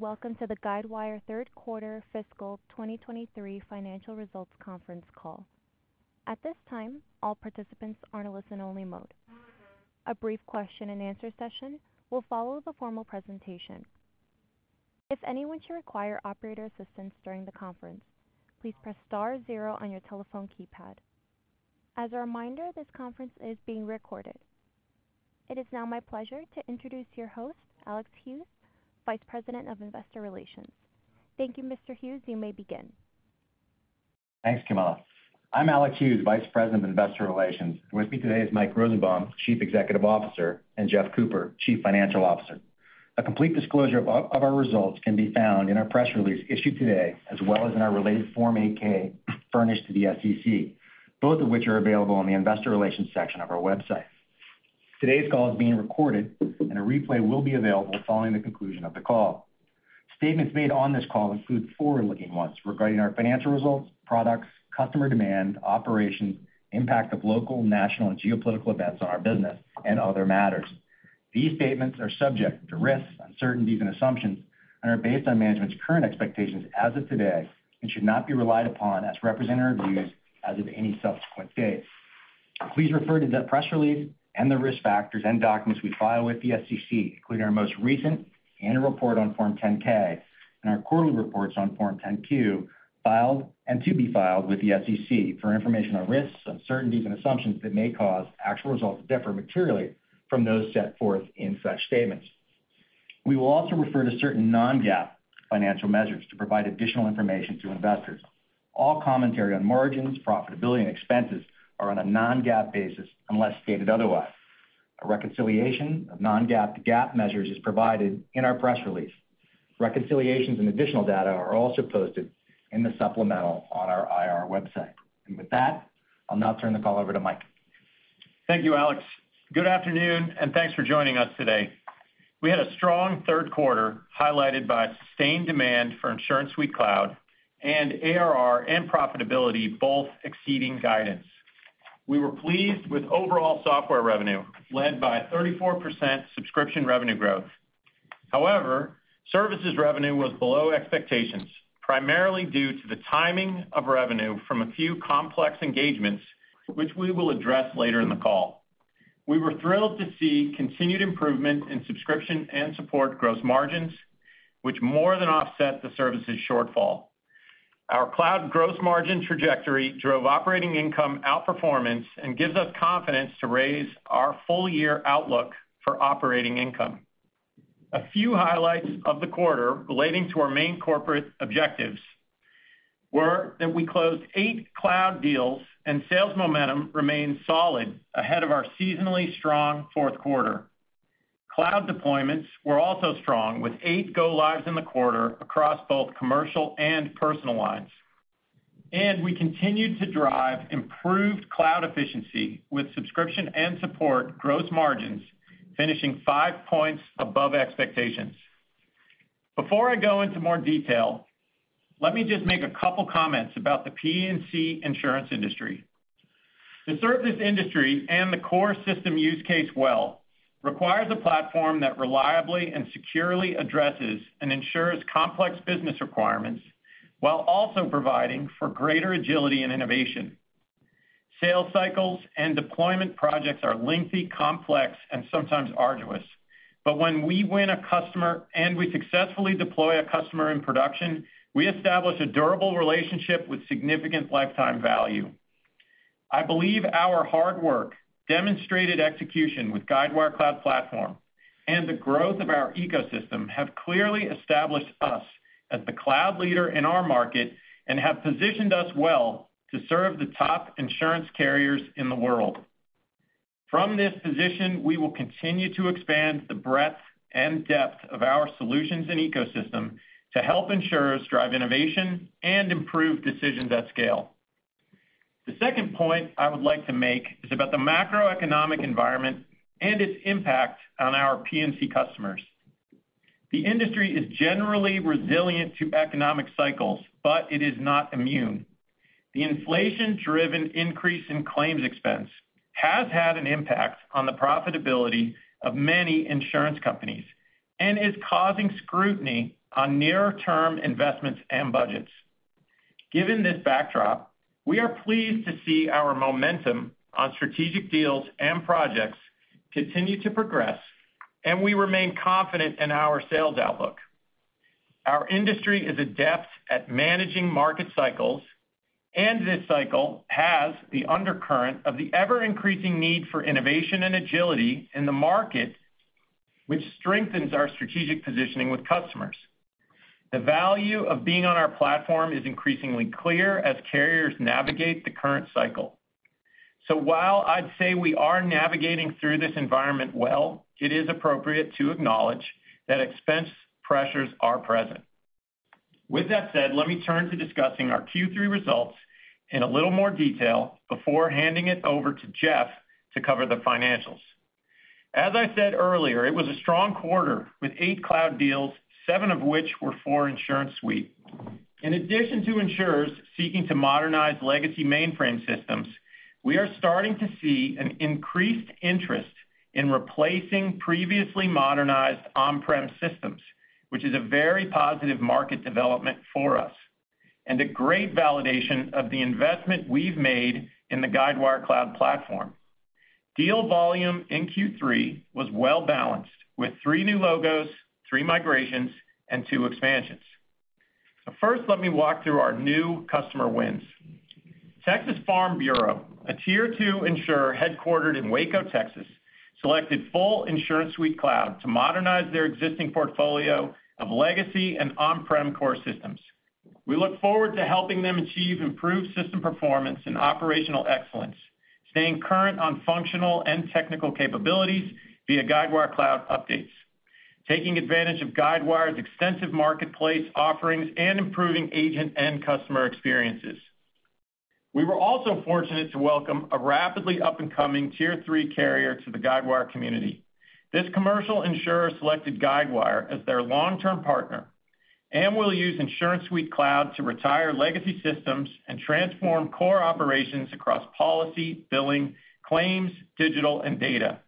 Thanks, welcome to the Guidewire Third Quarter Fiscal 2023 Financial Results Conference Call. At this time, all participants are in a listen-only mode. A brief question-and-answer session will follow the formal presentation. If anyone should require operator assistance during the conference, please press star zero on your telephone keypad. As a reminder, this conference is being recorded. It is now my pleasure to introduce your host, Alex Hughes, Vice President of Investor Relations. Thank you, Mr. Hughes. You may begin. Thanks, Kamala. I'm Alex Hughes, Vice President of Investor Relations, and with me today is Mike Rosenbaum, Chief Executive Officer, and Jeff Cooper, Chief Financial Officer. A complete disclosure of our results can be found in our press release issued today, as well as in our related Form 8-K, furnished to the SEC, both of which are available on the investor relations section of our website. Today's call is being recorded, and a replay will be available following the conclusion of the call. Statements made on this call include forward-looking ones regarding our financial results, products, customer demand, operations, impact of local, national, and geopolitical events on our business, and other matters. These statements are subject to risks, uncertainties, and assumptions and are based on management's current expectations as of today, and should not be relied upon as representing our views as of any subsequent date. Please refer to the press release and the risk factors and documents we file with the SEC, including our most recent annual report on Form 10-K and our quarterly reports on Form 10-Q, filed and to be filed with the SEC, for information on risks, uncertainties, and assumptions that may cause actual results to differ materially from those set forth in such statements. We will also refer to certain non-GAAP financial measures to provide additional information to investors. All commentary on margins, profitability, and expenses are on a non-GAAP basis unless stated otherwise. A reconciliation of non-GAAP to GAAP measures is provided in our press release. Reconciliations and additional data are also posted in the supplemental on our IR website. With that, I'll now turn the call over to Mike. Thank you, Alex. Good afternoon. Thanks for joining us today. We had a strong third quarter, highlighted by sustained demand for InsuranceSuite Cloud and ARR and profitability, both exceeding guidance. We were pleased with overall software revenue, led by 34% subscription revenue growth. Services revenue was below expectations, primarily due to the timing of revenue from a few complex engagements, which we will address later in the call. We were thrilled to see continued improvement in subscription and support gross margins, which more than offset the services shortfall. Our cloud gross margin trajectory drove operating income outperformance and gives us confidence to raise our full-year outlook for operating income. A few highlights of the quarter relating to our main corporate objectives were that we closed 8 cloud deals and sales momentum remained solid ahead of our seasonally strong fourth quarter. Cloud deployments were also strong, with eight go-lives in the quarter across both commercial and personal lines. We continued to drive improved cloud efficiency, with subscription and support gross margins finishing five points above expectations. Before I go into more detail, let me just make a couple comments about the P&C insurance industry. To serve this industry and the core system use case well requires a platform that reliably and securely addresses and ensures complex business requirements, while also providing for greater agility and innovation. Sales cycles and deployment projects are lengthy, complex, and sometimes arduous, but when we win a customer and we successfully deploy a customer in production, we establish a durable relationship with significant lifetime value. I believe our hard work, demonstrated execution with Guidewire Cloud Platform, and the growth of our ecosystem have clearly established us as the cloud leader in our market and have positioned us well to serve the top insurance carriers in the world. From this position, we will continue to expand the breadth and depth of our solutions and ecosystem to help insurers drive innovation and improve decisions at scale. The second point I would like to make is about the macroeconomic environment and its impact on our P&C customers. The industry is generally resilient to economic cycles, but it is not immune. The inflation-driven increase in claims expense has had an impact on the profitability of many insurance companies and is causing scrutiny on near-term investments and budgets. Given this backdrop, we are pleased to see our momentum on strategic deals and projects continue to progress, and we remain confident in our sales outlook. Our industry is adept at managing market cycles, and this cycle has the undercurrent of the ever-increasing need for innovation and agility in the market, which strengthens our strategic positioning with customers. The value of being on our platform is increasingly clear as carriers navigate the current cycle. While I'd say we are navigating through this environment well, it is appropriate to acknowledge that expense pressures are present. With that said, let me turn to discussing our Q3 results in a little more detail before handing it over to Jeff to cover the financials. As I said earlier, it was a strong quarter, with eight cloud deals, seven of which were for InsuranceSuite. In addition to insurers seeking to modernize legacy mainframe systems, we are starting to see an increased interest in replacing previously modernized on-prem systems, which is a very positive market development for us and a great validation of the investment we've made in the Guidewire Cloud Platform. Deal volume in Q3 was well-balanced, with three new logos, three migrations, and two expansions. First, let me walk through our new customer wins. Texas Farm Bureau, a tier two insurer headquartered in Waco, Texas, selected full InsuranceSuite Cloud to modernize their existing portfolio of legacy and on-prem core systems. We look forward to helping them achieve improved system performance and operational excellence, staying current on functional and technical capabilities via Guidewire Cloud updates, taking advantage of Guidewire's extensive marketplace offerings, and improving agent and customer experiences. We were also fortunate to welcome a rapidly up-and-coming tier three carrier to the Guidewire community. This commercial insurer selected Guidewire as their long-term partner and will use InsuranceSuite Cloud to retire legacy systems and transform core operations across policy, billing, claims, digital, and data.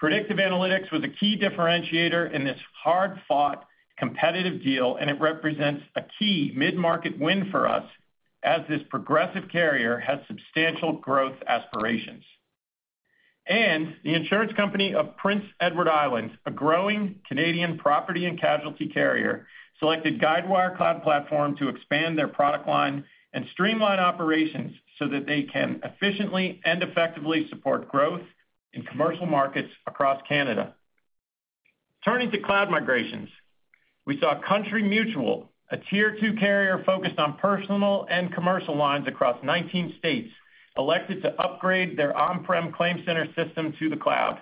Predictive analytics was a key differentiator in this hard-fought, competitive deal, and it represents a key mid-market win for us, as this progressive carrier has substantial growth aspirations. The Insurance Company of Prince Edward Island, a growing Canadian property and casualty carrier, selected Guidewire Cloud Platform to expand their product line and streamline operations so that they can efficiently and effectively support growth in commercial markets across Canada. Turning to cloud migrations, we saw COUNTRY Mutual, a tier two carrier focused on personal and commercial lines across 19 states, elected to upgrade their on-prem ClaimCenter system to the cloud,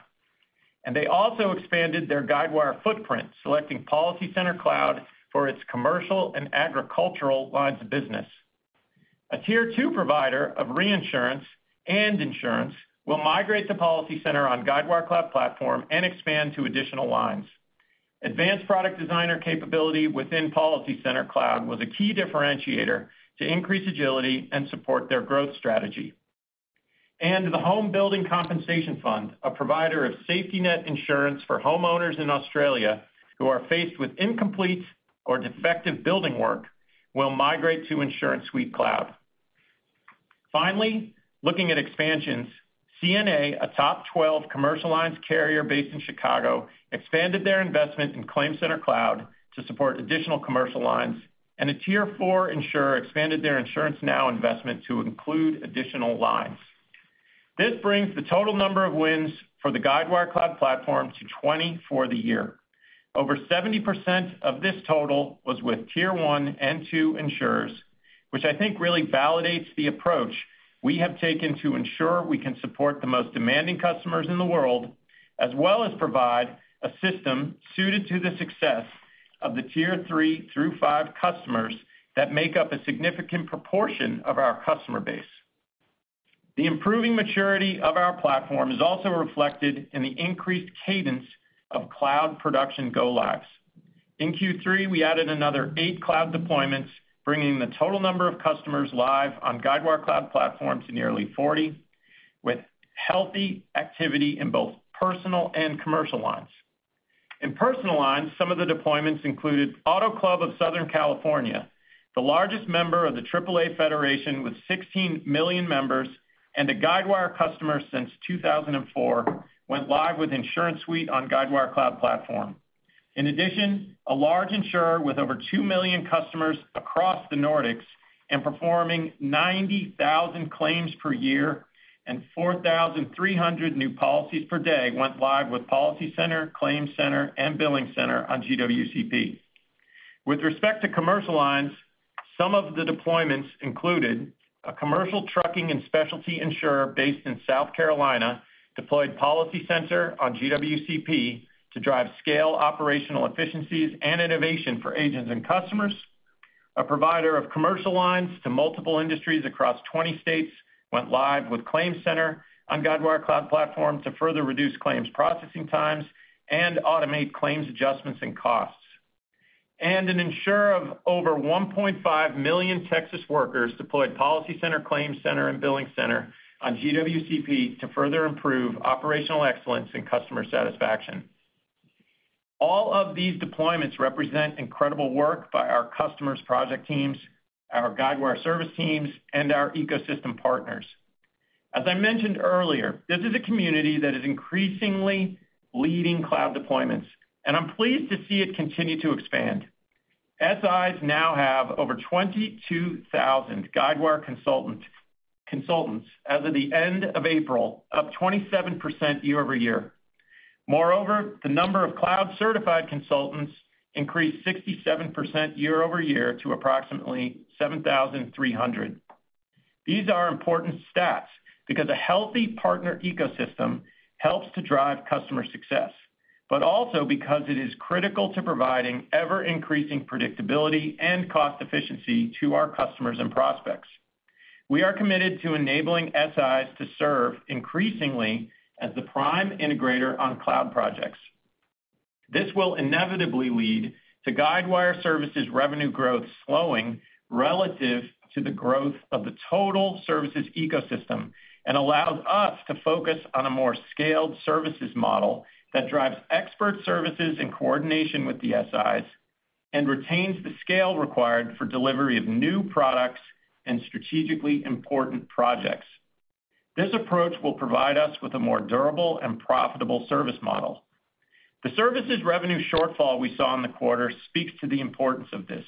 and they also expanded their Guidewire footprint, selecting PolicyCenter Cloud for its commercial and agricultural lines of business. A tier two provider of reinsurance and insurance will migrate to PolicyCenter on Guidewire Cloud Platform and expand to additional lines. Advanced Product Designer capability within PolicyCenter Cloud was a key differentiator to increase agility and support their growth strategy. The Home Building Compensation Fund, a provider of safety net insurance for homeowners in Australia who are faced with incomplete or defective building work, will migrate to InsuranceSuite Cloud. Finally, looking at expansions, CNA, a top 12 commercial lines carrier based in Chicago, expanded their investment in ClaimCenter Cloud to support additional commercial lines, and a tier four insurer expanded their InsuranceNow investment to include additional lines. This brings the total number of wins for the Guidewire Cloud Platform to 20 for the year. Over 70% of this total was with tier one and two insurers, which I think really validates the approach we have taken to ensure we can support the most demanding customers in the world, as well as provide a system suited to the success of the tier three through five customers that make up a significant proportion of our customer base. The improving maturity of our platform is also reflected in the increased cadence of cloud production go-lives. In Q3, we added another eight cloud deployments, bringing the total number of customers live on Guidewire Cloud Platform to nearly 40, with healthy activity in both personal and commercial lines. In personal lines, some of the deployments included Automobile Club of Southern California, the largest member of the AAA federation, with 16 million members and a Guidewire customer since 2004, went live with InsuranceSuite on Guidewire Cloud Platform. In addition, a large insurer with over 2 million customers across the Nordics and performing 90,000 claims per year and 4,300 new policies per day, went live with PolicyCenter, ClaimCenter, and BillingCenter on GWCP. With respect to commercial lines, some of the deployments included a commercial trucking and specialty insurer based in South Carolina, deployed PolicyCenter on GWCP to drive scale, operational efficiencies, and innovation for agents and customers. A provider of commercial lines to multiple industries across 20 states went live with ClaimCenter on Guidewire Cloud Platform to further reduce claims processing times and automate claims adjustments and costs. An insurer of over 1.5 million Texas workers deployed PolicyCenter, ClaimCenter, and BillingCenter on GWCP to further improve operational excellence and customer satisfaction. All of these deployments represent incredible work by our customers' project teams, our Guidewire service teams, and our ecosystem partners. As I mentioned earlier, this is a community that is increasingly leading cloud deployments, and I'm pleased to see it continue to expand. SIs now have over 22,000 Guidewire consultants as of the end of April, up 27% year-over-year. Moreover, the number of cloud-certified consultants increased 67% year-over-year to approximately 7,300. These are important stats because a healthy partner ecosystem helps to drive customer success, also because it is critical to providing ever-increasing predictability and cost efficiency to our customers and prospects. We are committed to enabling SIs to serve increasingly as the prime integrator on cloud projects. This will inevitably lead to Guidewire services revenue growth slowing relative to the growth of the total services ecosystem and allows us to focus on a more scaled services model that drives expert services in coordination with the SIs, and retains the scale required for delivery of new products and strategically important projects. This approach will provide us with a more durable and profitable service model. The services revenue shortfall we saw in the quarter speaks to the importance of this.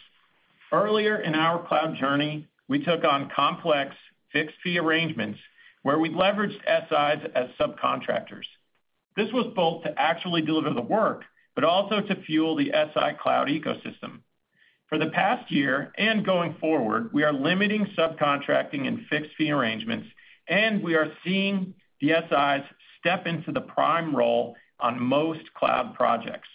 Earlier in our cloud journey, we took on complex fixed-fee arrangements where we leveraged SIs as subcontractors. This was both to actually deliver the work, but also to fuel the SI cloud ecosystem. For the past year and going forward, we are limiting subcontracting and fixed-fee arrangements, and we are seeing the SIs step into the prime role on most cloud projects.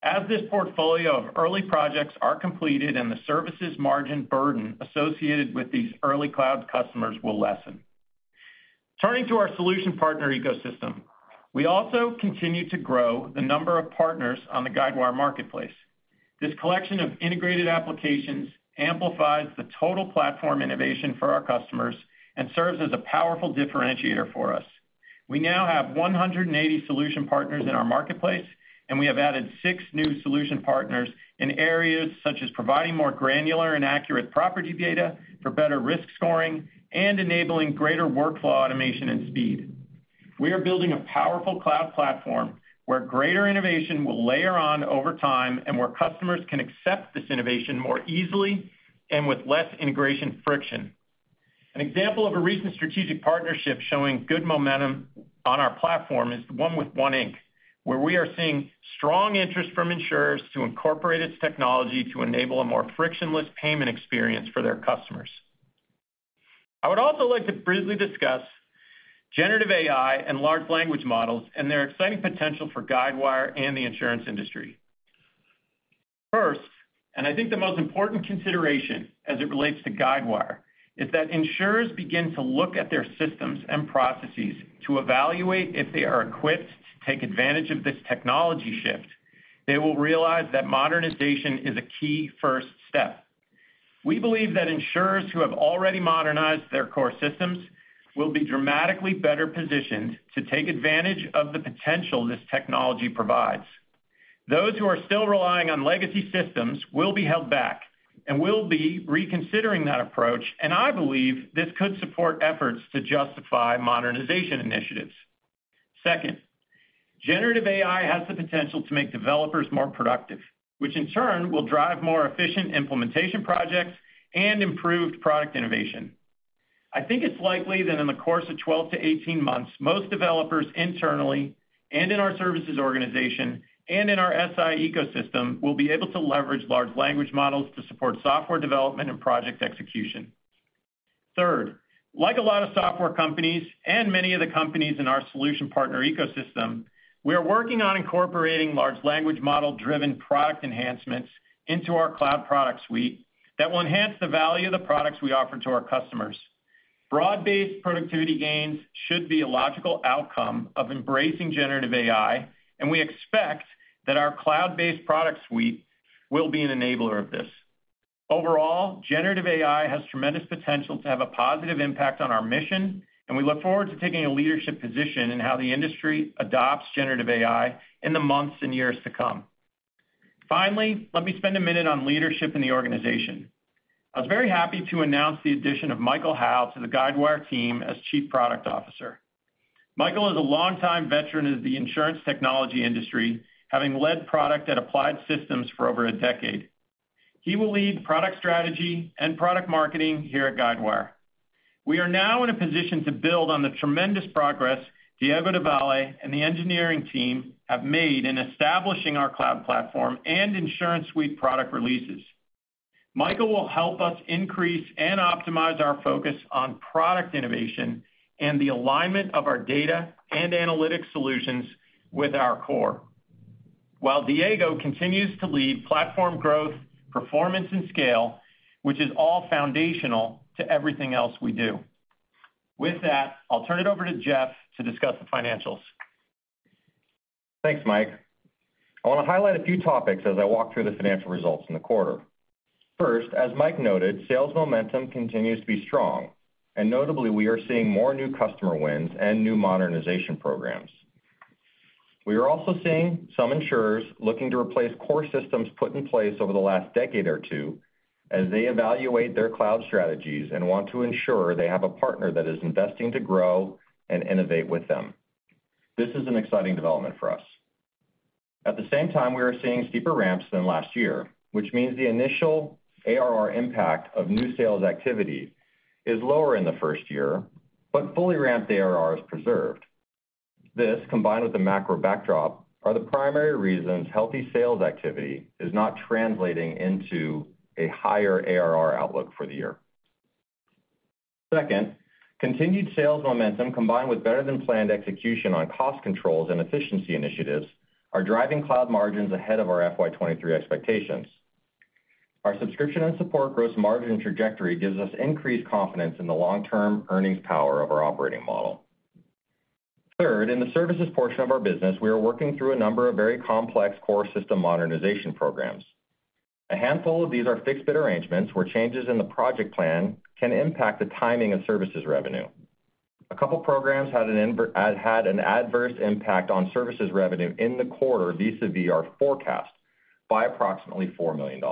As this portfolio of early projects are completed and the services margin burden associated with these early cloud customers will lessen. Turning to our solution partner ecosystem, we also continue to grow the number of partners on the Guidewire Marketplace. This collection of integrated applications amplifies the total platform innovation for our customers and serves as a powerful differentiator for us. We now have 180 solution partners in our marketplace, and we have added six new solution partners in areas such as providing more granular and accurate property data for better risk scoring and enabling greater workflow, automation, and speed. We are building a powerful cloud platform where greater innovation will layer on over time and where customers can accept this innovation more easily and with less integration friction. An example of a recent strategic partnership showing good momentum on our platform is the one with One Inc, where we are seeing strong interest from insurers to incorporate its technology to enable a more frictionless payment experience for their customers. I would also like to briefly discuss generative AI and large language models and their exciting potential for Guidewire and the insurance industry. First, and I think the most important consideration as it relates to Guidewire, is that insurers begin to look at their systems and processes to evaluate if they are equipped to take advantage of this technology shift, they will realize that modernization is a key first step. We believe that insurers who have already modernized their core systems will be dramatically better positioned to take advantage of the potential this technology provides. Those who are still relying on legacy systems will be held back and will be reconsidering that approach. I believe this could support efforts to justify modernization initiatives. Second, generative AI has the potential to make developers more productive, which in turn will drive more efficient implementation projects and improved product innovation. I think it's likely that in the course of 12 to 18 months, most developers internally and in our services organization and in our SI ecosystem, will be able to leverage large language models to support software development and project execution. Third, like a lot of software companies and many of the companies in our solution partner ecosystem, we are working on incorporating large language model-driven product enhancements into our cloud product suite that will enhance the value of the products we offer to our customers. Broad-based productivity gains should be a logical outcome of embracing generative AI, and we expect that our cloud-based product suite will be an enabler of this. Overall, generative AI has tremendous potential to have a positive impact on our mission, and we look forward to taking a leadership position in how the industry adopts generative AI in the months and years to come. Finally, let me spend a minute on leadership in the organization. I was very happy to announce the addition of Michael Howe to the Guidewire team as Chief Product Officer. Michael is a longtime veteran of the insurance technology industry, having led product at Applied Systems for over a decade. He will lead product strategy and product marketing here at Guidewire. We are now in a position to build on the tremendous progress Diego Devalle and the engineering team have made in establishing our cloud platform and InsuranceSuite product releases. Michael will help us increase and optimize our focus on product innovation and the alignment of our data and analytics solutions with our core, while Diego continues to lead platform growth, performance, and scale, which is all foundational to everything else we do. With that, I'll turn it over to Jeff to discuss the financials. Thanks, Mike. I want to highlight a few topics as I walk through the financial results in the quarter. First, as Mike noted, sales momentum continues to be strong, notably, we are seeing more new customer wins and new modernization programs. We are also seeing some insurers looking to replace core systems put in place over the last decade or two as they evaluate their cloud strategies and want to ensure they have a partner that is investing to grow and innovate with them. This is an exciting development for us. At the same time, we are seeing steeper ramps than last year, which means the initial ARR impact of new sales activity is lower in the first year, but fully ramped ARR is preserved. This, combined with the macro backdrop, are the primary reasons healthy sales activity is not translating into a higher ARR outlook for the year. Second, continued sales momentum, combined with better-than-planned execution on cost controls and efficiency initiatives, are driving cloud margins ahead of our FY 2023 expectations. Our subscription and support gross margin trajectory gives us increased confidence in the long-term earnings power of our operating model. Third, in the services portion of our business, we are working through a number of very complex core system modernization programs. A handful of these are fixed-bid arrangements, where changes in the project plan can impact the timing of services revenue. A couple programs had an adverse impact on services revenue in the quarter vis-a-vis our forecast by approximately $4 million.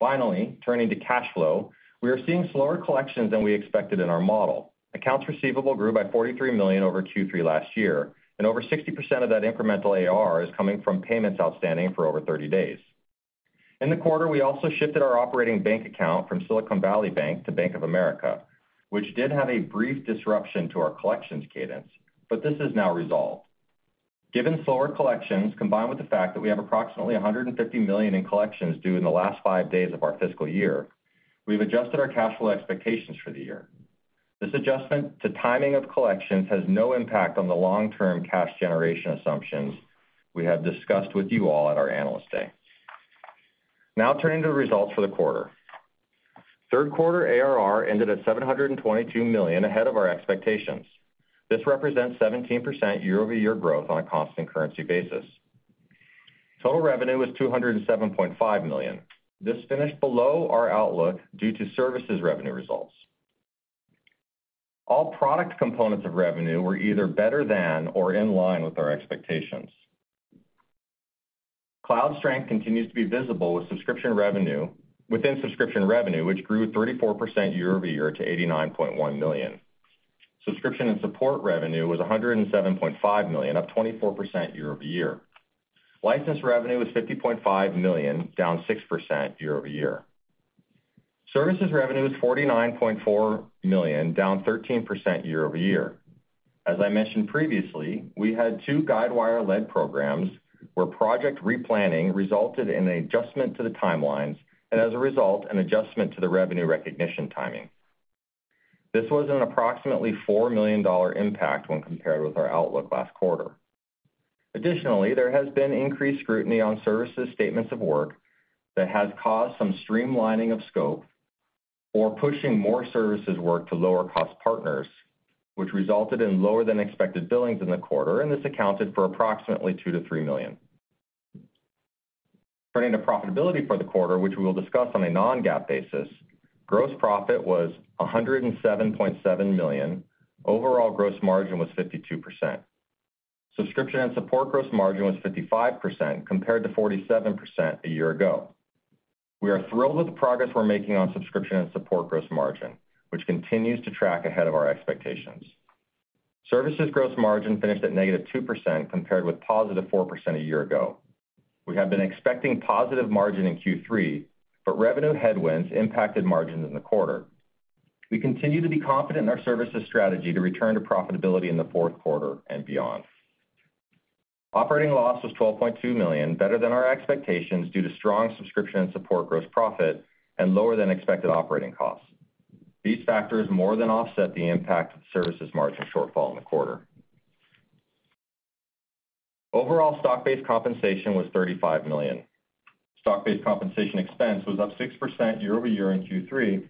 Finally, turning to cash flow, we are seeing slower collections than we expected in our model. Accounts receivable grew by $43 million over Q3 last year. Over 60% of that incremental AR is coming from payments outstanding for over 30 days. In the quarter, we also shifted our operating bank account from Silicon Valley Bank to Bank of America, which did have a brief disruption to our collections cadence. This is now resolved. Given slower collections, combined with the fact that we have approximately $150 million in collections due in the last five days of our fiscal year, we've adjusted our cash flow expectations for the year. This adjustment to timing of collections has no impact on the long-term cash generation assumptions we have discussed with you all at our Analyst Day. Turning to the results for the quarter. Third quarter ARR ended at $722 million, ahead of our expectations. This represents 17% year-over-year growth on a constant currency basis. Total revenue was $207.5 million. This finished below our outlook due to services revenue results. All product components of revenue were either better than or in line with our expectations. Cloud strength continues to be visible within subscription revenue, which grew 34% year-over-year to $89.1 million. Subscription and support revenue was $107.5 million, up 24% year-over-year. License revenue was $50.5 million, down 6% year-over-year. Services revenue was $49.4 million, down 13% year-over-year. As I mentioned previously, we had two Guidewire-led programs, where project replanning resulted in an adjustment to the timelines, and as a result, an adjustment to the revenue recognition timing. This was an approximately $4 million impact when compared with our outlook last quarter. Additionally, there has been increased scrutiny on services statements of work that has caused some streamlining of scope or pushing more services work to lower-cost partners, which resulted in lower-than-expected billings in the quarter, and this accounted for approximately $2 million-$3 million. Turning to profitability for the quarter, which we will discuss on a non-GAAP basis, gross profit was $107.7 million. Overall gross margin was 52%. Subscription and support gross margin was 55%, compared to 47% a year ago. We are thrilled with the progress we're making on subscription and support gross margin, which continues to track ahead of our expectations. Services gross margin finished at -2%, compared with +4% a year ago. We have been expecting positive margin in Q3. Revenue headwinds impacted margins in the quarter. We continue to be confident in our services strategy to return to profitability in the fourth quarter and beyond. Operating loss was $12.2 million, better than our expectations, due to strong subscription and support gross profit and lower-than-expected operating costs. These factors more than offset the impact of the services margin shortfall in the quarter. Overall, stock-based compensation was $35 million. Stock-based compensation expense was up 6% year-over-year in Q3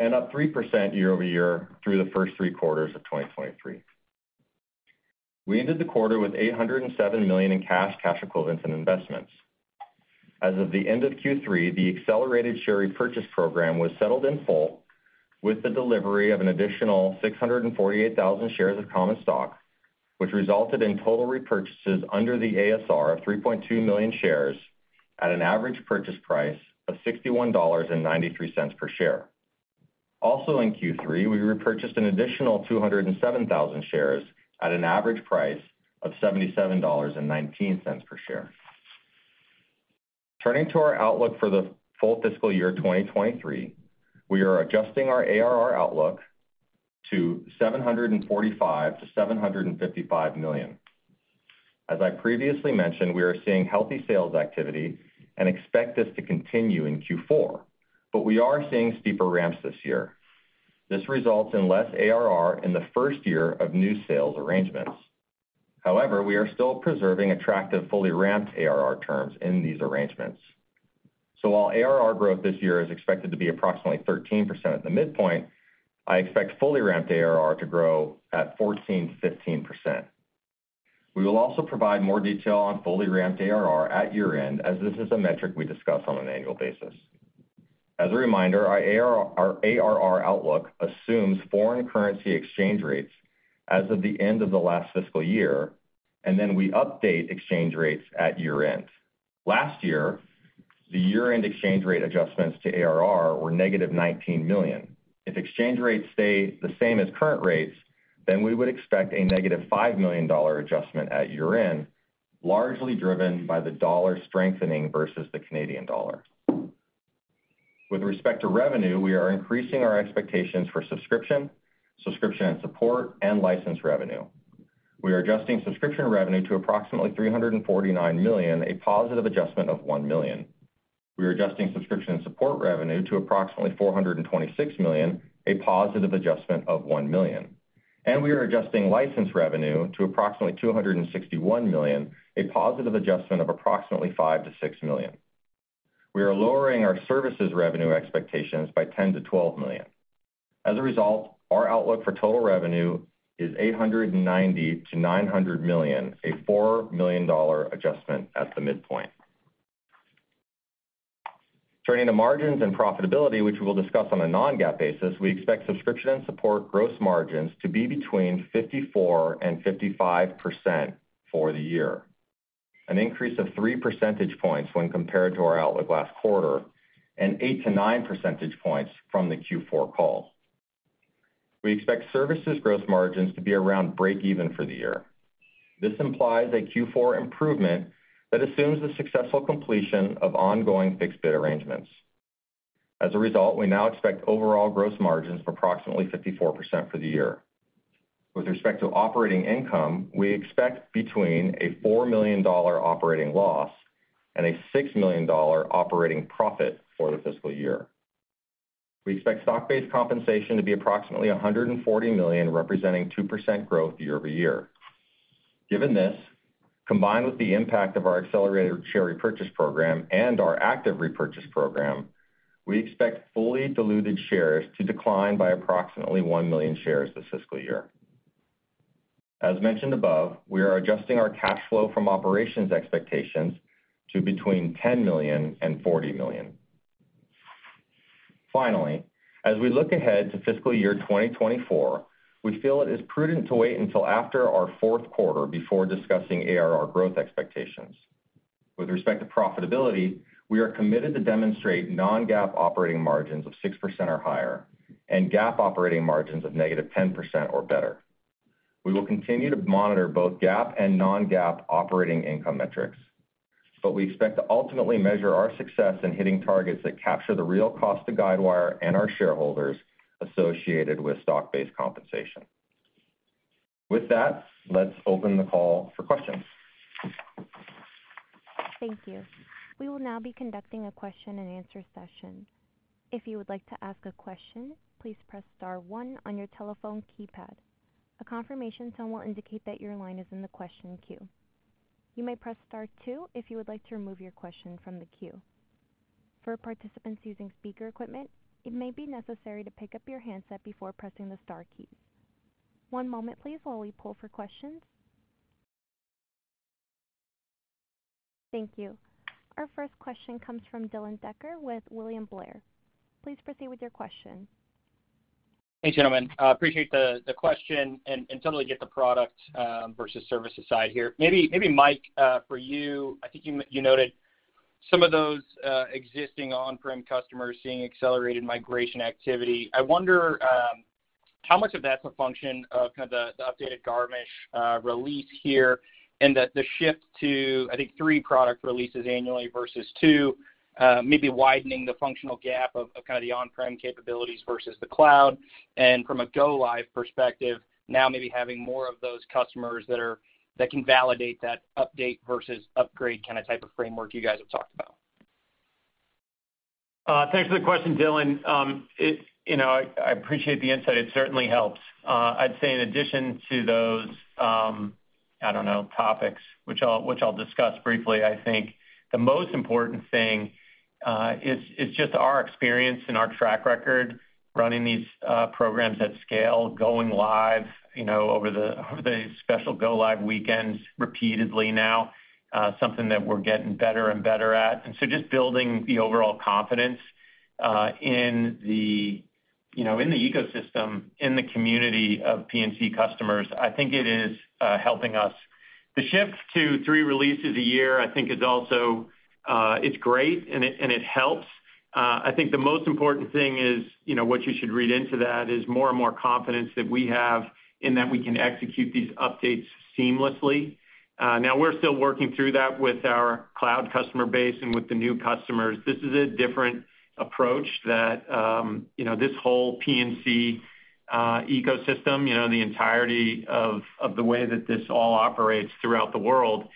and up 3% year-over-year through the first three quarters of 2023. We ended the quarter with $807 million in cash equivalents, and investments. As of the end of Q3, the accelerated share repurchase program was settled in full with the delivery of an additional 648,000 shares of common stock, which resulted in total repurchases under the ASR of 3.2 million shares at an average purchase price of $61.93 per share. Also in Q3, we repurchased an additional 207,000 shares at an average price of $77.19 per share. Turning to our outlook for the full fiscal year 2023, we are adjusting our ARR outlook to $745 million-$755 million. As I previously mentioned, we are seeing healthy sales activity and expect this to continue in Q4, but we are seeing steeper ramps this year. This results in less ARR in the first year of new sales arrangements. We are still preserving attractive, fully ramped ARR terms in these arrangements. While ARR growth this year is expected to be approximately 13% at the midpoint, I expect fully ramped ARR to grow at 14%-15%. We will also provide more detail on fully ramped ARR at year-end, as this is a metric we discuss on an annual basis. As a reminder, our ARR outlook assumes foreign currency exchange rates as of the end of the last fiscal year, we update exchange rates at year-end. Last year, the year-end exchange rate adjustments to ARR were negative $19 million. If exchange rates stay the same as current rates, we would expect a negative $5 million adjustment at year-end, largely driven by the dollar strengthening versus the Canadian dollar. With respect to revenue, we are increasing our expectations for subscription and support, and license revenue. We are adjusting subscription revenue to approximately $349 million, a positive adjustment of $1 million. We are adjusting subscription and support revenue to approximately $426 million, a positive adjustment of $1 million. We are adjusting license revenue to approximately $261 million, a positive adjustment of approximately $5 million-$6 million. We are lowering our services revenue expectations by $10 million-$12 million. As a result, our outlook for total revenue is $890 million-$900 million, a $4 million dollar adjustment at the midpoint. Turning to margins and profitability, which we'll discuss on a non-GAAP basis, we expect subscription and support gross margins to be between 54% and 55% for the year, an increase of three percentage points when compared to our outlook last quarter, and eight - nine percentage points from the Q4 call. We expect services gross margins to be around breakeven for the year. This implies a Q4 improvement that assumes the successful completion of ongoing fixed bid arrangements. As a result, we now expect overall gross margins of approximately 54% for the year. With respect to operating income, we expect between a $4 million operating loss and a $6 million operating profit for the fiscal year. We expect stock-based compensation to be approximately $140 million, representing 2% growth year-over-year. Given this, combined with the impact of our accelerated share repurchase program and our active repurchase program, we expect fully diluted shares to decline by approximately 1 million shares this fiscal year. As mentioned above, we are adjusting our cash flow from operations expectations to between $10 million and $40 million. As we look ahead to fiscal year 2024, we feel it is prudent to wait until after our fourth quarter before discussing ARR growth expectations. With respect to profitability, we are committed to demonstrate non-GAAP operating margins of 6% or higher and GAAP operating margins of -10% or better. We will continue to monitor both GAAP and non-GAAP operating income metrics, but we expect to ultimately measure our success in hitting targets that capture the real cost to Guidewire and our shareholders associated with stock-based compensation. With that, let's open the call for questions. Thank you. We will now be conducting a question-and-answer session. If you would like to ask a question, please press star one on your telephone keypad. A confirmation tone will indicate that your line is in the question queue. You may press star two if you would like to remove your question from the queue. For participants using speaker equipment, it may be necessary to pick up your handset before pressing the star key. One moment please while we pull for questions. Thank you. Our first question comes from Dylan Becker with William Blair. Please proceed with your question. Thanks, gentlemen. Appreciate the question and totally get the product versus service aside here. Maybe, maybe Mike, for you, I think you noted some of those existing on-prem customers seeing accelerated migration activity. I wonder how much of that's a function of kind of the updated Garmisch release here, and that the shift to, I think, three product releases annually versus two, maybe widening the functional gap of kind of the on-prem capabilities versus the cloud, and from a go-live perspective, now maybe having more of those customers that can validate that update versus upgrade kind of type of framework you guys have talked about? Thanks for the question, Dylan. you know, I appreciate the insight. It certainly helps. I'd say in addition to those, I don't know, topics, which I'll discuss briefly, I think the most important thing is just our experience and our track record running these programs at scale, going live, you know, over the, over the special go-live weekends repeatedly now, something that we're getting better and better at. Just building the overall confidence, in the, you know, in the ecosystem, in the community of P&C customers, I think it is helping us. The shift to three releases a year, I think, is also, it's great, and it, and it helps. I think the most important thing is, you know, what you should read into that is more and more confidence that we have in that we can execute these updates seamlessly. Now, we're still working through that with our cloud customer base and with the new customers. This is a different approach that, you know, this whole P&C ecosystem, you know, the entirety of the way that this all operates throughout the world, is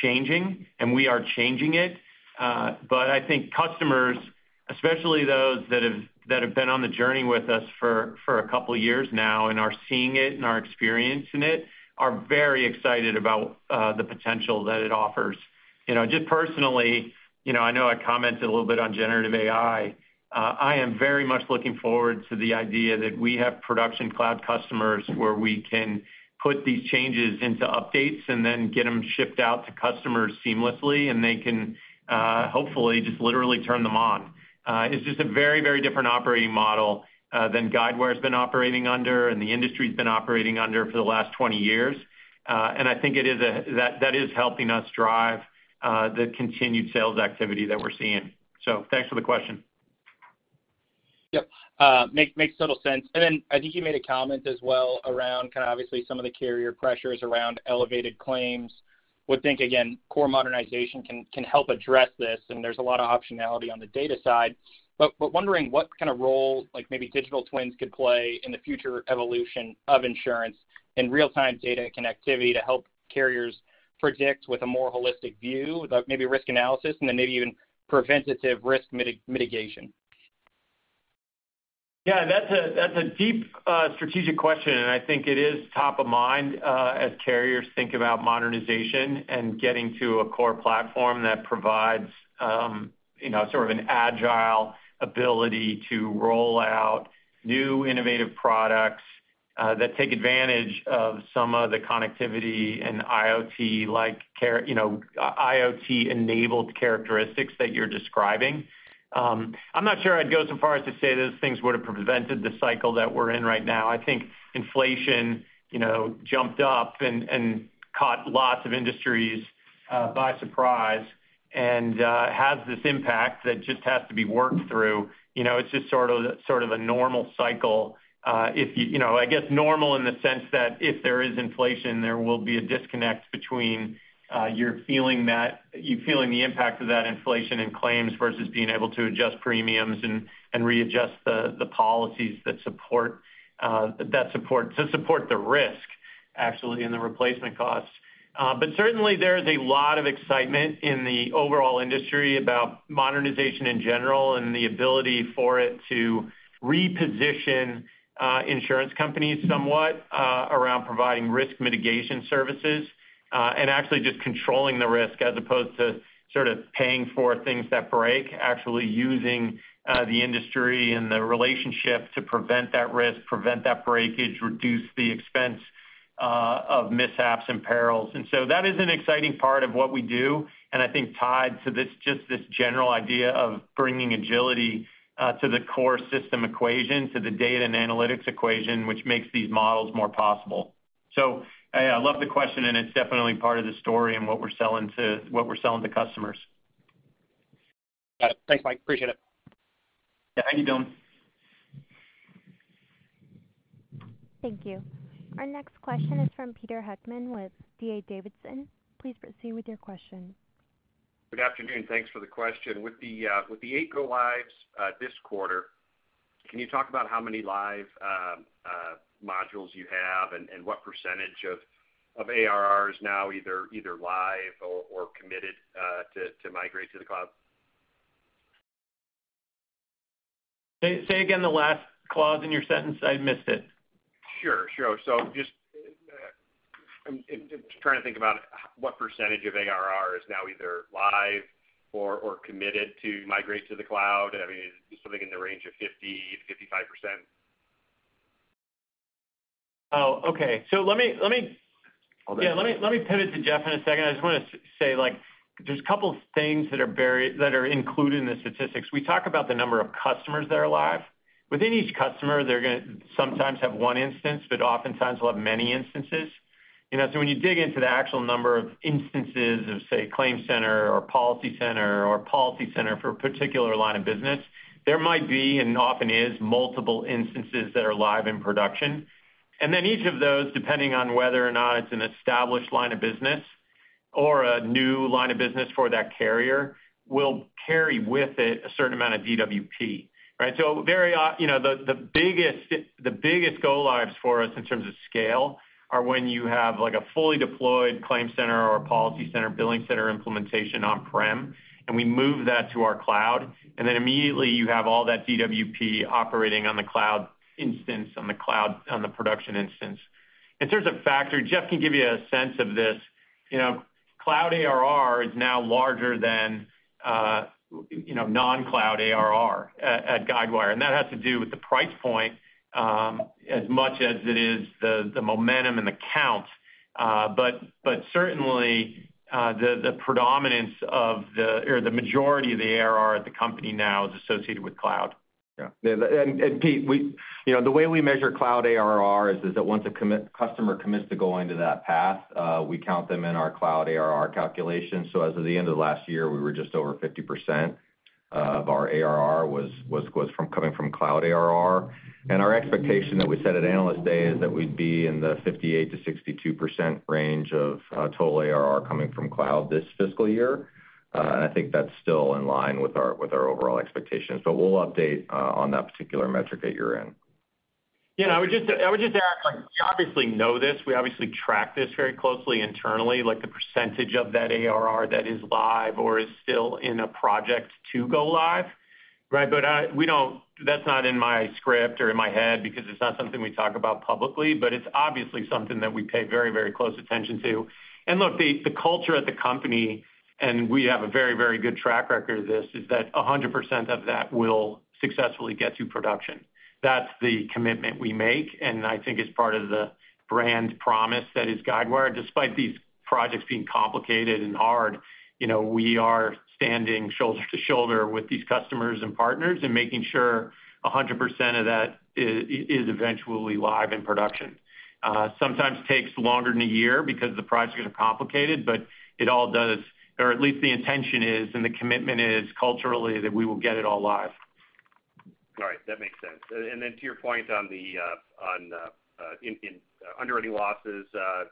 changing, and we are changing it. I think customers, especially those that have been on the journey with us for a couple of years now and are seeing it and are experiencing it, are very excited about the potential that it offers. You know, just personally, you know, I know I commented a little bit on generative AI. I am very much looking forward to the idea that we have production cloud customers where we can put these changes into updates and then get them shipped out to customers seamlessly, and they can, hopefully, just literally turn them on. It's just a very, very different operating model, than Guidewire's been operating under and the industry's been operating under for the last 20 years. I think it is that is helping us drive, the continued sales activity that we're seeing. Thanks for the question. Yep, makes total sense. I think you made a comment as well around kind of obviously some of the carrier pressures around elevated claims. Would think, again, core modernization can help address this, and there's a lot of optionality on the data side. Wondering what kind of role, like maybe digital twins could play in the future evolution of insurance and real-time data connectivity to help carriers predict with a more holistic view, about maybe risk analysis and then maybe even preventative risk mitigation? Yeah, that's a, that's a deep strategic question, and I think it is top of mind as carriers think about modernization and getting to a core platform that provides, you know, sort of an agile ability to roll out new innovative products that take advantage of some of the connectivity and IoT like IoT-enabled characteristics that you're describing. I'm not sure I'd go so far as to say those things would have prevented the cycle that we're in right now. I think inflation, you know, jumped up and caught lots of industries by surprise, and has this impact that just has to be worked through. You know, it's just sort of a normal cycle. You know, I guess, normal in the sense that if there is inflation, there will be a disconnect between, you're feeling the impact of that inflation in claims versus being able to adjust premiums and readjust the policies that support to support the risk, actually, and the replacement costs. Certainly, there is a lot of excitement in the overall industry about modernization in general and the ability for it to reposition insurance companies somewhat around providing risk mitigation services, and actually just controlling the risk as opposed to sort of paying for things that break, actually using the industry and the relationship to prevent that risk, prevent that breakage, reduce the expense of mishaps and perils. That is an exciting part of what we do, and I think tied to this, just this general idea of bringing agility to the core system equation, to the data and analytics equation, which makes these models more possible. I love the question, and it's definitely part of the story and what we're selling to customers. Got it. Thanks, Mike. Appreciate it. Yeah. Thank you, Dylan. Thank you. Our next question is from Peter Heckmann with D.A. Davidson. Please proceed with your question. Good afternoon, thanks for the question. With the eight go lives this quarter, can you talk about how many live modules you have and what percentage of ARR is now either live or committed to migrate to the cloud? Say again, the last clause in your sentence. I missed it. Sure. Just, I'm trying to think about what percentage of ARR is now either live or committed to migrate to the cloud? I mean, is it something in the range of 50%-55%? Oh, okay. let me- Okay. Yeah, let me pivot to Jeff in a second. I just want to say, like, there's a couple things that are included in the statistics. We talk about the number of customers that are live. Within each customer, they're gonna sometimes have one instance, but oftentimes will have many instances. You know, when you dig into the actual number of instances of, say, ClaimCenter or PolicyCenter for a particular line of business, there might be, and often is, multiple instances that are live in production. Each of those, depending on whether or not it's an established line of business or a new line of business for that carrier, will carry with it a certain amount of DWP, right? You know, the biggest go lives for us in terms of scale are when you have, like, a fully deployed ClaimCenter or a PolicyCenter, BillingCenter implementation on-prem, and we move that to our cloud, and then immediately you have all that DWP operating on the cloud instance, on the cloud, on the production instance. In terms of factor, Jeff can give you a sense of this. You know, cloud ARR is now larger than, you know, non-cloud ARR at Guidewire, and that has to do with the price point, as much as it is the momentum and the count. But certainly, or the majority of the ARR at the company now is associated with cloud. Yeah, and, Pete, you know, the way we measure cloud ARR is that once a customer commits to going to that path, we count them in our cloud ARR calculation. As of the end of last year, we were just over 50% of our ARR was coming from cloud ARR. Our expectation that we set at Analyst Day is that we'd be in the 58%-62% range of total ARR coming from cloud this fiscal year. I think that's still in line with our, with our overall expectations, but we'll update on that particular metric at year-end. I would just add, like, we obviously know this. We obviously track this very closely internally, like the percentage of that ARR that is live or is still in a project to go live, right? That's not in my script or in my head because it's not something we talk about publicly, but it's obviously something that we pay very, very close attention to. Look, the culture at the company, and we have a very, very good track record of this, is that 100% of that will successfully get to production. That's the commitment we make, and I think it's part of the brand promise that is Guidewire. Despite these projects being complicated and hard, you know, we are standing shoulder-to-shoulder with these customers and partners and making sure 100% of that is eventually live in production. Sometimes takes longer than one year because the projects are complicated, but it all does, or at least the intention is and the commitment is culturally, that we will get it all live. All right, that makes sense. Then to your point on the underwriting losses,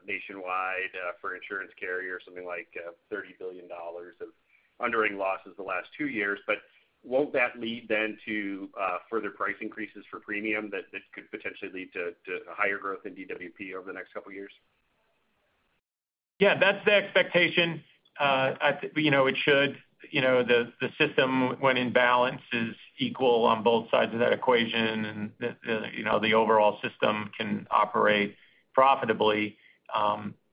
nationwide, for insurance carriers, something like $30 billion of underwriting losses the last two years. Won't that lead then to further price increases for premium that could potentially lead to higher growth in DWP over the next couple of years? Yeah, that's the expectation. I, you know, it should, you know, the system, when in balance, is equal on both sides of that equation, and the, you know, the overall system can operate profitably.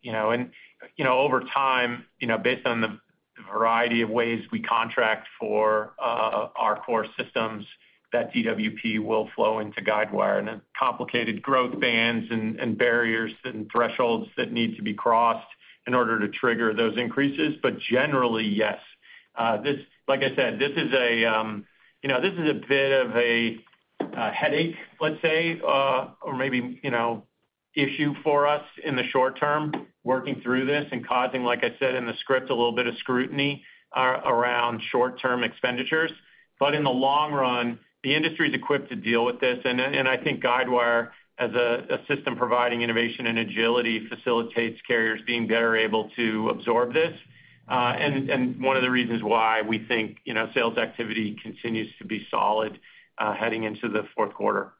You know, and, you know, over time, you know, based on the variety of ways we contract for, our core systems, that DWP will flow into Guidewire. Then complicated growth bands and barriers and thresholds that need to be crossed in order to trigger those increases. Generally, yes. This like I said, this is a, you know, this is a bit of a headache, let's say, or maybe, you know, issue for us in the short term, working through this and causing, like I said in the script, a little bit of scrutiny around short-term expenditures. In the long run, the industry is equipped to deal with this. I think Guidewire, as a system providing innovation and agility, facilitates carriers being better able to absorb this. One of the reasons why we think, you know, sales activity continues to be solid, heading into the fourth quarter.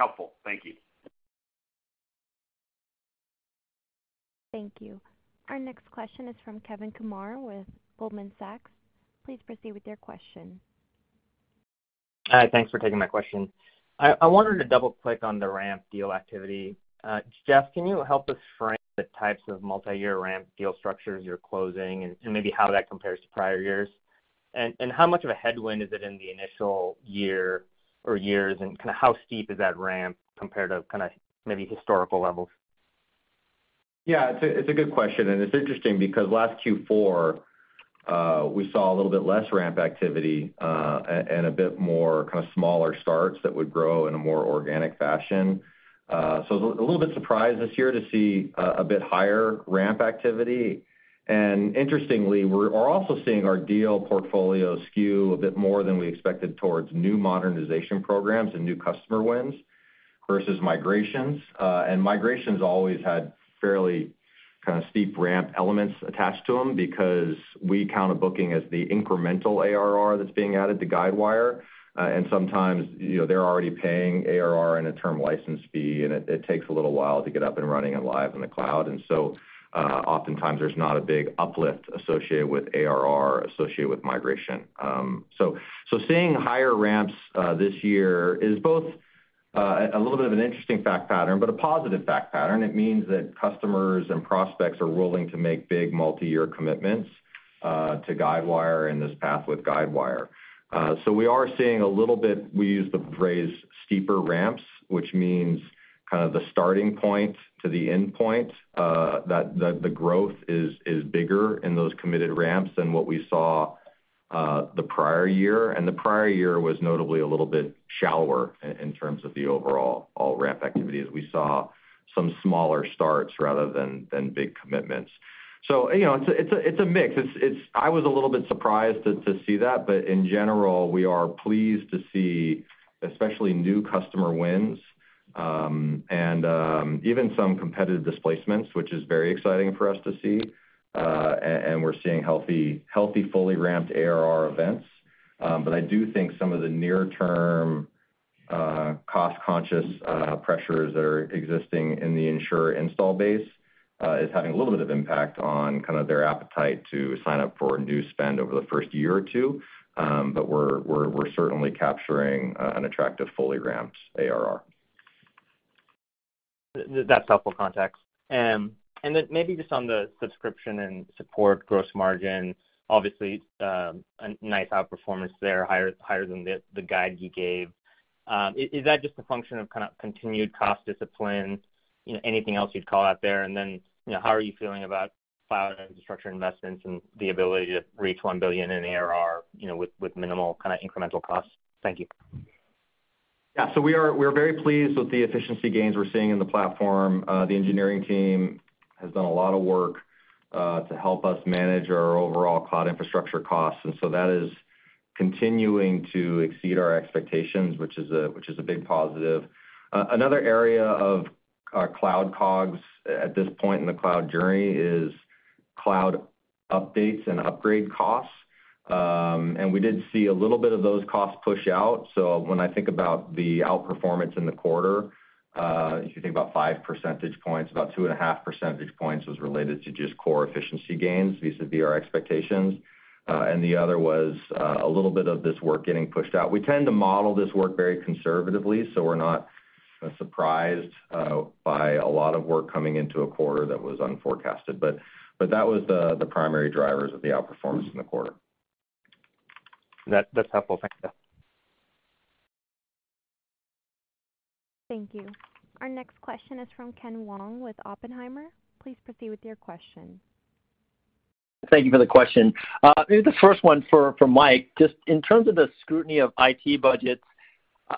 Helpful. Thank you. Thank you. Our next question is from Kevin Kumar with Goldman Sachs. Please proceed with your question. Hi, thanks for taking my question. I wanted to double-click on the ramp deal activity. Jeff, can you help us frame the types of multiyear ramp deal structures you're closing and maybe how that compares to prior years? How much of a headwind is it in the initial year or years, and how steep is that ramp compared to maybe historical levels? Yeah, it's a, it's a good question, and it's interesting because last Q4, we saw a little bit less ramp activity, and a bit more kind of smaller starts that would grow in a more organic fashion. A little bit surprised this year to see a bit higher ramp activity. Interestingly, we are also seeing our deal portfolio skew a bit more than we expected towards new modernization programs and new customer wins versus migrations. Migrations always had fairly kind of steep ramp elements attached to them because we count a booking as the incremental ARR that's being added to Guidewire. Sometimes, you know, they're already paying ARR and a term license fee, and it takes a little while to get up and running and live in the cloud. Oftentimes there's not a big uplift associated with ARR, associated with migration. Seeing higher ramps this year is both a little bit of an interesting fact pattern, but a positive fact pattern. It means that customers and prospects are willing to make big multiyear commitments to Guidewire and this path with Guidewire. We are seeing a little bit, we use the phrase steeper ramps, which means kind of the starting point to the endpoint, that the growth is bigger in those committed ramps than what we saw the prior year. The prior year was notably a little bit shallower in terms of the overall ramp activity, as we saw some smaller starts rather than big commitments. You know, it's a mix. I was a little bit surprised to see that, in general, we are pleased to see, especially new customer wins, and even some competitive displacements, which is very exciting for us to see. We're seeing healthy, fully ramped ARR events. I do think some of the near-term, cost-conscious pressures that are existing in the insurer install base is having a little bit of impact on kind of their appetite to sign up for new spend over the first year or two. We're certainly capturing an attractive, fully ramped ARR. That's helpful context. Then maybe just on the subscription and support gross margin, obviously, a nice outperformance there, higher than the guide you gave. Is that just a function of kind of continued cost discipline? You know, anything else you'd call out there? You know, how are you feeling about cloud infrastructure investments and the ability to reach $1 billion in ARR, you know, with minimal kind of incremental costs? Thank you. We're very pleased with the efficiency gains we're seeing in the platform. The engineering team has done a lot of work to help us manage our overall cloud infrastructure costs, that is continuing to exceed our expectations, which is a big positive. Another area of our cloud COGS at this point in the cloud journey is cloud updates and upgrade costs. We did see a little bit of those costs push out. When I think about the outperformance in the quarter, if you think about five percentage points, about 2.5 percentage points was related to just core efficiency gains vis-a-vis our expectations. The other was a little bit of this work getting pushed out. We tend to model this work very conservatively, we're not surprised by a lot of work coming into a quarter that was unforecasted. That was the primary drivers of the outperformance in the quarter. That's helpful. Thank you. Thank you. Our next question is from Ken Wong with Oppenheimer. Please proceed with your question. Thank you for the question. Maybe the first one for Mike. Just in terms of the scrutiny of IT budgets,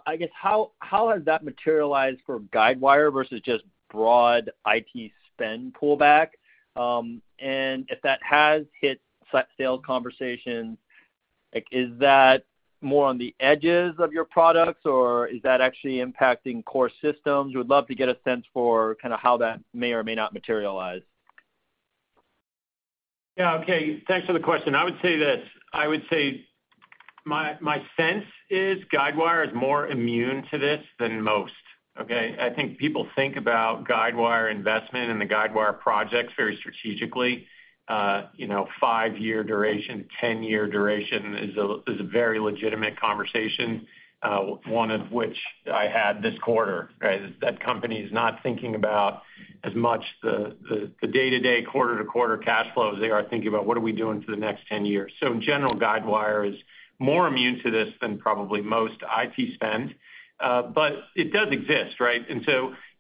I guess, how has that materialized for Guidewire versus just broad IT spend pullback? If that has hit such sales conversations, like, is that more on the edges of your products, or is that actually impacting core systems? We'd love to get a sense for kind of how that may or may not materialize. Yeah, okay. Thanks for the question. I would say this, I would say my sense is Guidewire is more immune to this than most, okay? I think people think about Guidewire investment and the Guidewire projects very strategically. You know, five-year duration, 10-year duration is a, is a very legitimate conversation, one of which I had this quarter, right? That company is not thinking about as much the, the day-to-day, quarter-to-quarter cash flow as they are thinking about what are we doing for the next 10 years. In general, Guidewire is more immune to this than probably most IT spend. It does exist, right?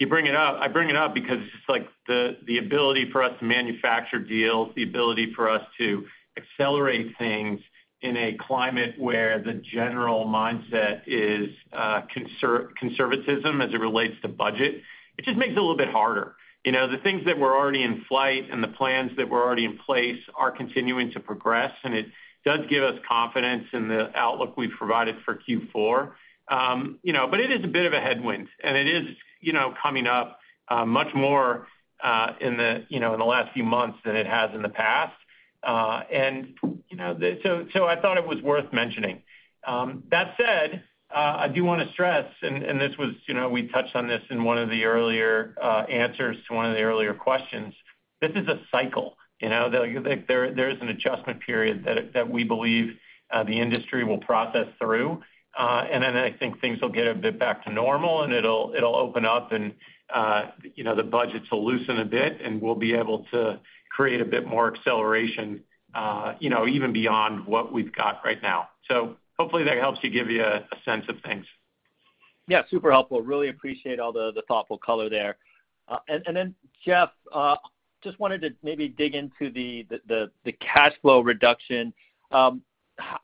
You bring it up, I bring it up because it's like the ability for us to manufacture deals, the ability for us to accelerate things in a climate where the general mindset is conservatism as it relates to budget, it just makes it a little bit harder. You know, the things that were already in flight and the plans that were already in place are continuing to progress, and it does give us confidence in the outlook we've provided for Q4. You know, but it is a bit of a headwind, and it is, you know, coming up, much more, in the, you know, in the last few months than it has in the past. You know, so I thought it was worth mentioning. That said, I do wanna stress, and this was, you know, we touched on this in one of the earlier answers to one of the earlier questions, this is a cycle, you know? Like, there is an adjustment period that we believe the industry will process through. Then I think things will get a bit back to normal, and it'll open up, and, you know, the budgets will loosen a bit, and we'll be able to create a bit more acceleration, you know, even beyond what we've got right now. Hopefully, that helps to give you a sense of things. Yeah, super helpful. Really appreciate all the thoughtful color there. Then, Jeff, just wanted to maybe dig into the cash flow reduction.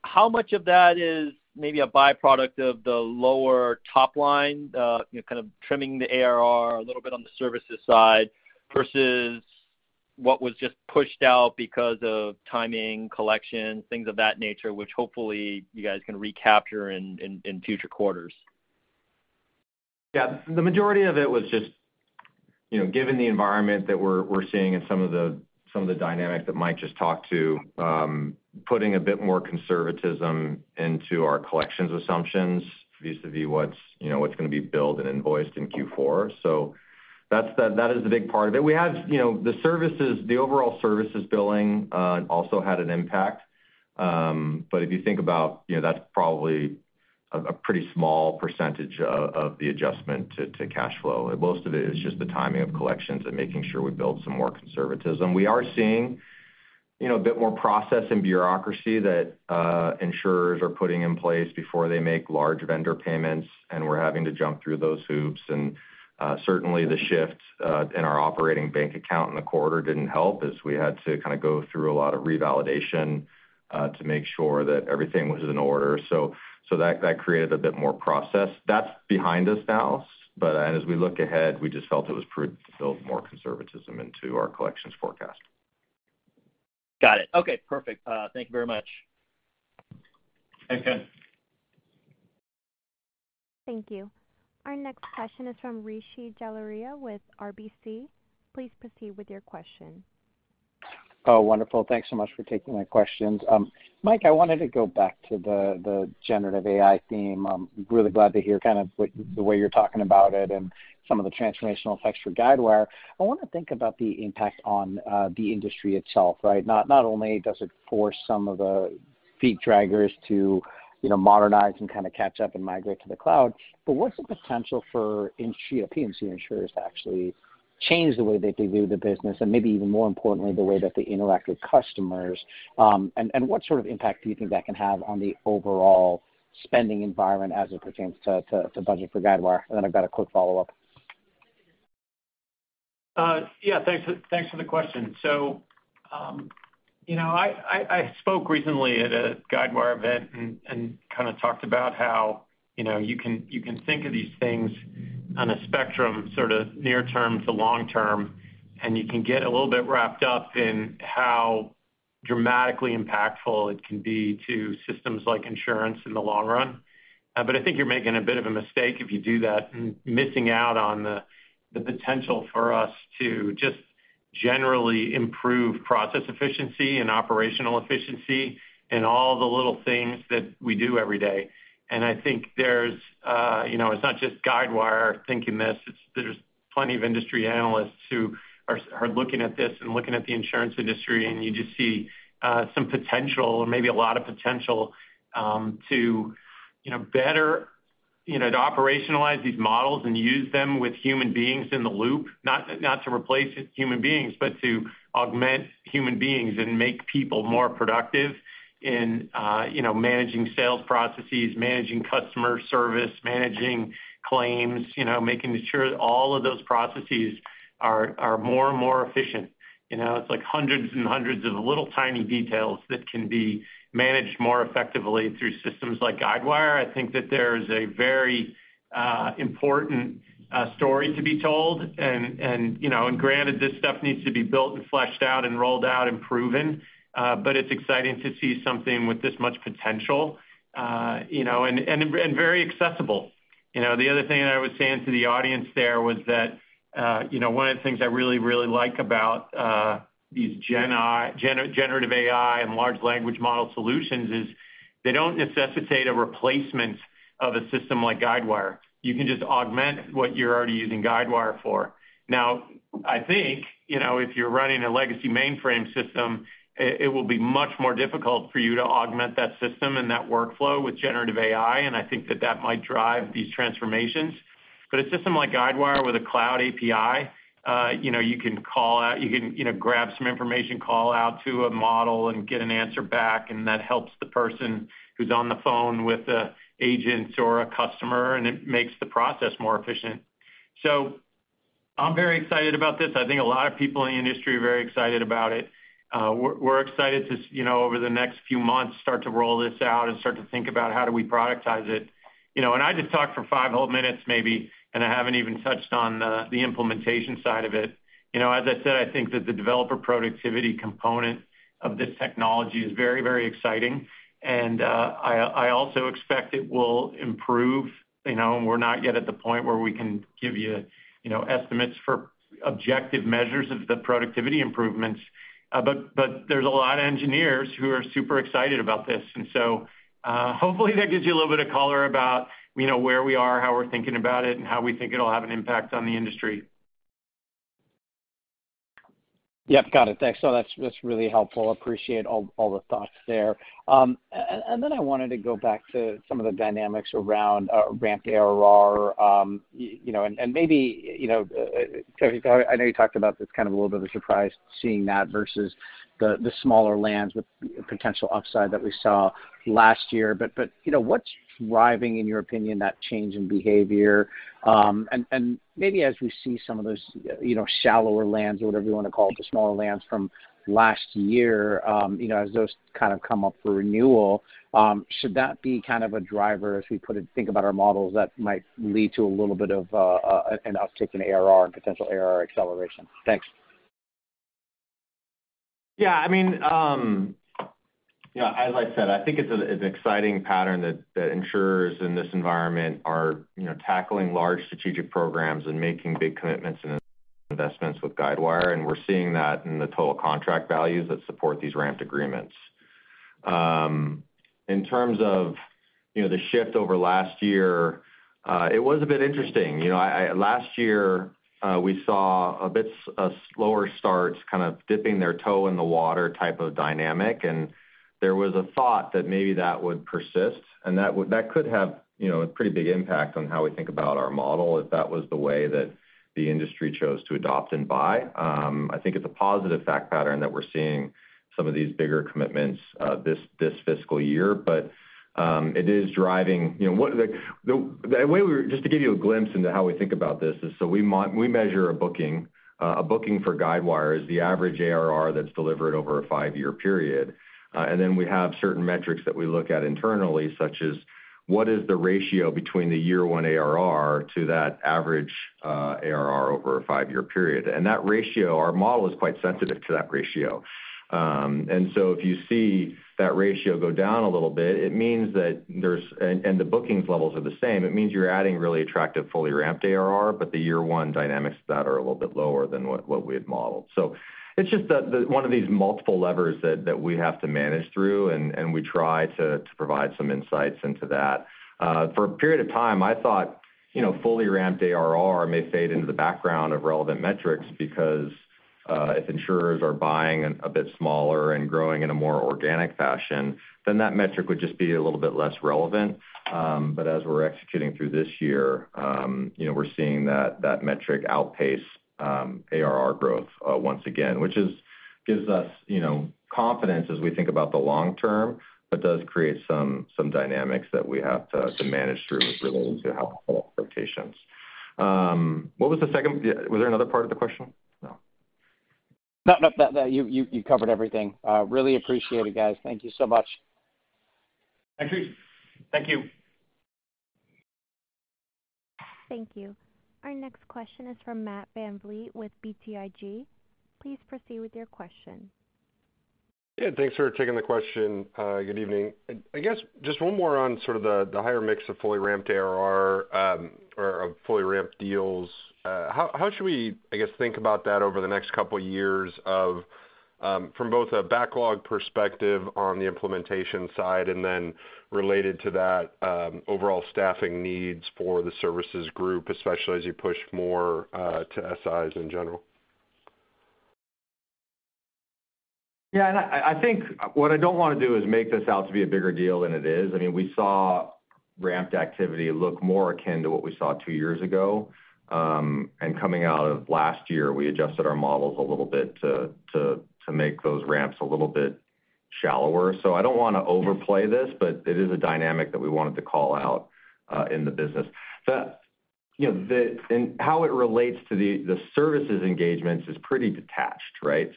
How much of that is maybe a by-product of the lower top line, you know, kind of trimming the ARR a little bit on the services side, versus what was just pushed out because of timing, collection, things of that nature, which hopefully you guys can recapture in future quarters? Yeah. The majority of it was just, you know, given the environment that we're seeing and some of the, some of the dynamics that Mike just talked to, putting a bit more conservatism into our collections assumptions vis-a-vis what's, you know, what's gonna be billed and invoiced in Q4. That is a big part of it. We had, you know, the services, the overall services billing, also had an impact. If you think about, you know, that's probably a pretty small percentage of the adjustment to cash flow. Most of it is just the timing of collections and making sure we build some more conservatism. We are seeing, you know, a bit more process and bureaucracy that insurers are putting in place before they make large vendor payments, and we're having to jump through those hoops. Certainly, the shift in our operating bank account in the quarter didn't help, as we had to kind of go through a lot of revalidation to make sure that everything was in order. That created a bit more process. That's behind us now. As we look ahead, we just felt it was prudent to build more conservatism into our collections forecast. Got it. Okay, perfect. Thank you very much. Thanks, Ken. Thank you. Our next question is from Rishi Jaluria with RBC. Please proceed with your question. Oh, wonderful. Thanks so much for taking my questions. Mike, I wanted to go back to the generative AI theme. I'm really glad to hear the way you're talking about it and some of the transformational effects for Guidewire. I wanna think about the impact on the industry itself, right? Not only does it force some of the feet draggers to, you know, modernize and kind of catch up and migrate to the cloud, but what's the potential for P&C insurers to actually change the way that they do the business, and maybe even more importantly, the way that they interact with customers? And what sort of impact do you think that can have on the overall spending environment as it pertains to budget for Guidewire? Then I've got a quick follow-up. Yeah, thanks for the question. You know, I spoke recently at a Guidewire event and kind of talked about how, you know, you can think of these things on a spectrum, sort of near term to long term, and you can get a little bit wrapped up in how dramatically impactful it can be to systems like insurance in the long run. I think you're making a bit of a mistake if you do that and missing out on the potential for us to just generally improve process efficiency and operational efficiency in all the little things that we do every day. I think there's, you know, it's not just Guidewire thinking this, there's plenty of industry analysts who are looking at this and looking at the insurance industry, and you just see some potential or maybe a lot of potential, to, you know, to operationalize these models and use them with human beings in the loop. Not to replace human beings, but to augment human beings and make people more productive in, you know, managing sales processes, managing customer service, managing claims, you know, making sure all of those processes are more and more efficient. You know, it's like hundreds and hundreds of little tiny details that can be managed more effectively through systems like Guidewire. I think that there's a very important story to be told, and, you know, and granted, this stuff needs to be built and fleshed out and rolled out and proven, but it's exciting to see something with this much potential, you know, and very accessible. You know, the other thing that I was saying to the audience there was that, you know, one of the things I really, really like about these generative AI and large language model solutions is they don't necessitate a replacement of a system like Guidewire. You can just augment what you're already using Guidewire for. I think, you know, if you're running a legacy mainframe system, it will be much more difficult for you to augment that system and that workflow with generative AI, and I think that might drive these transformations. A system like Guidewire with a Cloud API, you know, you can, you know, grab some information, call out to a model, and get an answer back, and that helps the person who's on the phone with the agents or a customer, and it makes the process more efficient. I'm very excited about this. I think a lot of people in the industry are very excited about it. We're excited to, you know, over the next few months, start to roll this out and start to think about how do we productize it. You know, I just talked for five whole minutes maybe, and I haven't even touched on the implementation side of it. You know, as I said, I think that the developer productivity component of this technology is very, very exciting, and, I also expect it will improve. You know, and we're not yet at the point where we can give you know, estimates for objective measures of the productivity improvements, but there's a lot of engineers who are super excited about this. Hopefully, that gives you a little bit of color about, you know, where we are, how we're thinking about it, and how we think it'll have an impact on the industry. Yep, got it. Thanks. That's really helpful. Appreciate all the thoughts there. And then I wanted to go back to some of the dynamics around ramped ARR, you know, and maybe, you know, I know you talked about this kind of a little bit of a surprise, seeing that versus the smaller lands with potential upside that we saw last year. But, you know, what's driving, in your opinion, that change in behavior? Maybe as we see some of those, you know, shallower lands, or whatever you wanna call the smaller lands from last year, you know, as those kind of come up for renewal, should that be kind of a driver as we think about our models, that might lead to a little bit of an uptick in ARR and potential ARR acceleration? Thanks. As I said, I think it's an exciting pattern that insurers in this environment are, you know, tackling large strategic programs and making big commitments and investments with Guidewire, and we're seeing that in the total contract values that support these ramped agreements. In terms of, you know, the shift over last year, it was a bit interesting. You know, last year, we saw a bit, a slower start, kind of dipping their toe in the water type of dynamic, and there was a thought that maybe that would persist, and that could have, you know, a pretty big impact on how we think about our model if that was the way that the industry chose to adopt and buy. I think it's a positive fact pattern that we're seeing some of these bigger commitments this fiscal year. It is driving. You know, what the way. Just to give you a glimpse into how we think about this is, we measure a booking. A booking for Guidewire is the average ARR that's delivered over a five-year period. We have certain metrics that we look at internally, such as: What is the ratio between the year one ARR to that average ARR over a five-year period? That ratio, our model is quite sensitive to that ratio. If you see that ratio go down a little bit, it means that there's. The bookings levels are the same, it means you're adding really attractive, fully ramped ARR, but the year one dynamics to that are a little bit lower than what we had modeled. It's just that one of these multiple levers that we have to manage through, and we try to provide some insights into that. For a period of time, I thought, you know, fully ramped ARR may fade into the background of relevant metrics because if insurers are buying a bit smaller and growing in a more organic fashion, then that metric would just be a little bit less relevant. As we're executing through this year, you know, we're seeing that metric outpace ARR growth once again, which gives us, you know, confidence as we think about the long term, but does create some dynamics that we have to manage through as related to how rotations. What was the second? Yeah, was there another part of the question? No. No, you covered everything. Really appreciate it, guys. Thank you so much. Rishi. Thank you. Thank you. Our next question is from Matt VanVliet with BTIG. Please proceed with your question. Yeah, thanks for taking the question. Good evening. I guess just one more on sort of the higher mix of fully ramped ARR or of fully ramped deals. How should we, I guess, think about that over the next couple of years of from both a backlog perspective on the implementation side and then related to that, overall staffing needs for the services group, especially as you push more to SIs in general? Yeah, I think what I don't wanna do is make this out to be a bigger deal than it is. I mean, we saw ramped activity look more akin to what we saw two years ago. Coming out of last year, we adjusted our models a little bit to make those ramps a little bit shallower. I don't wanna overplay this, but it is a dynamic that we wanted to call out in the business. The, you know, how it relates to the services engagements is pretty detached, right?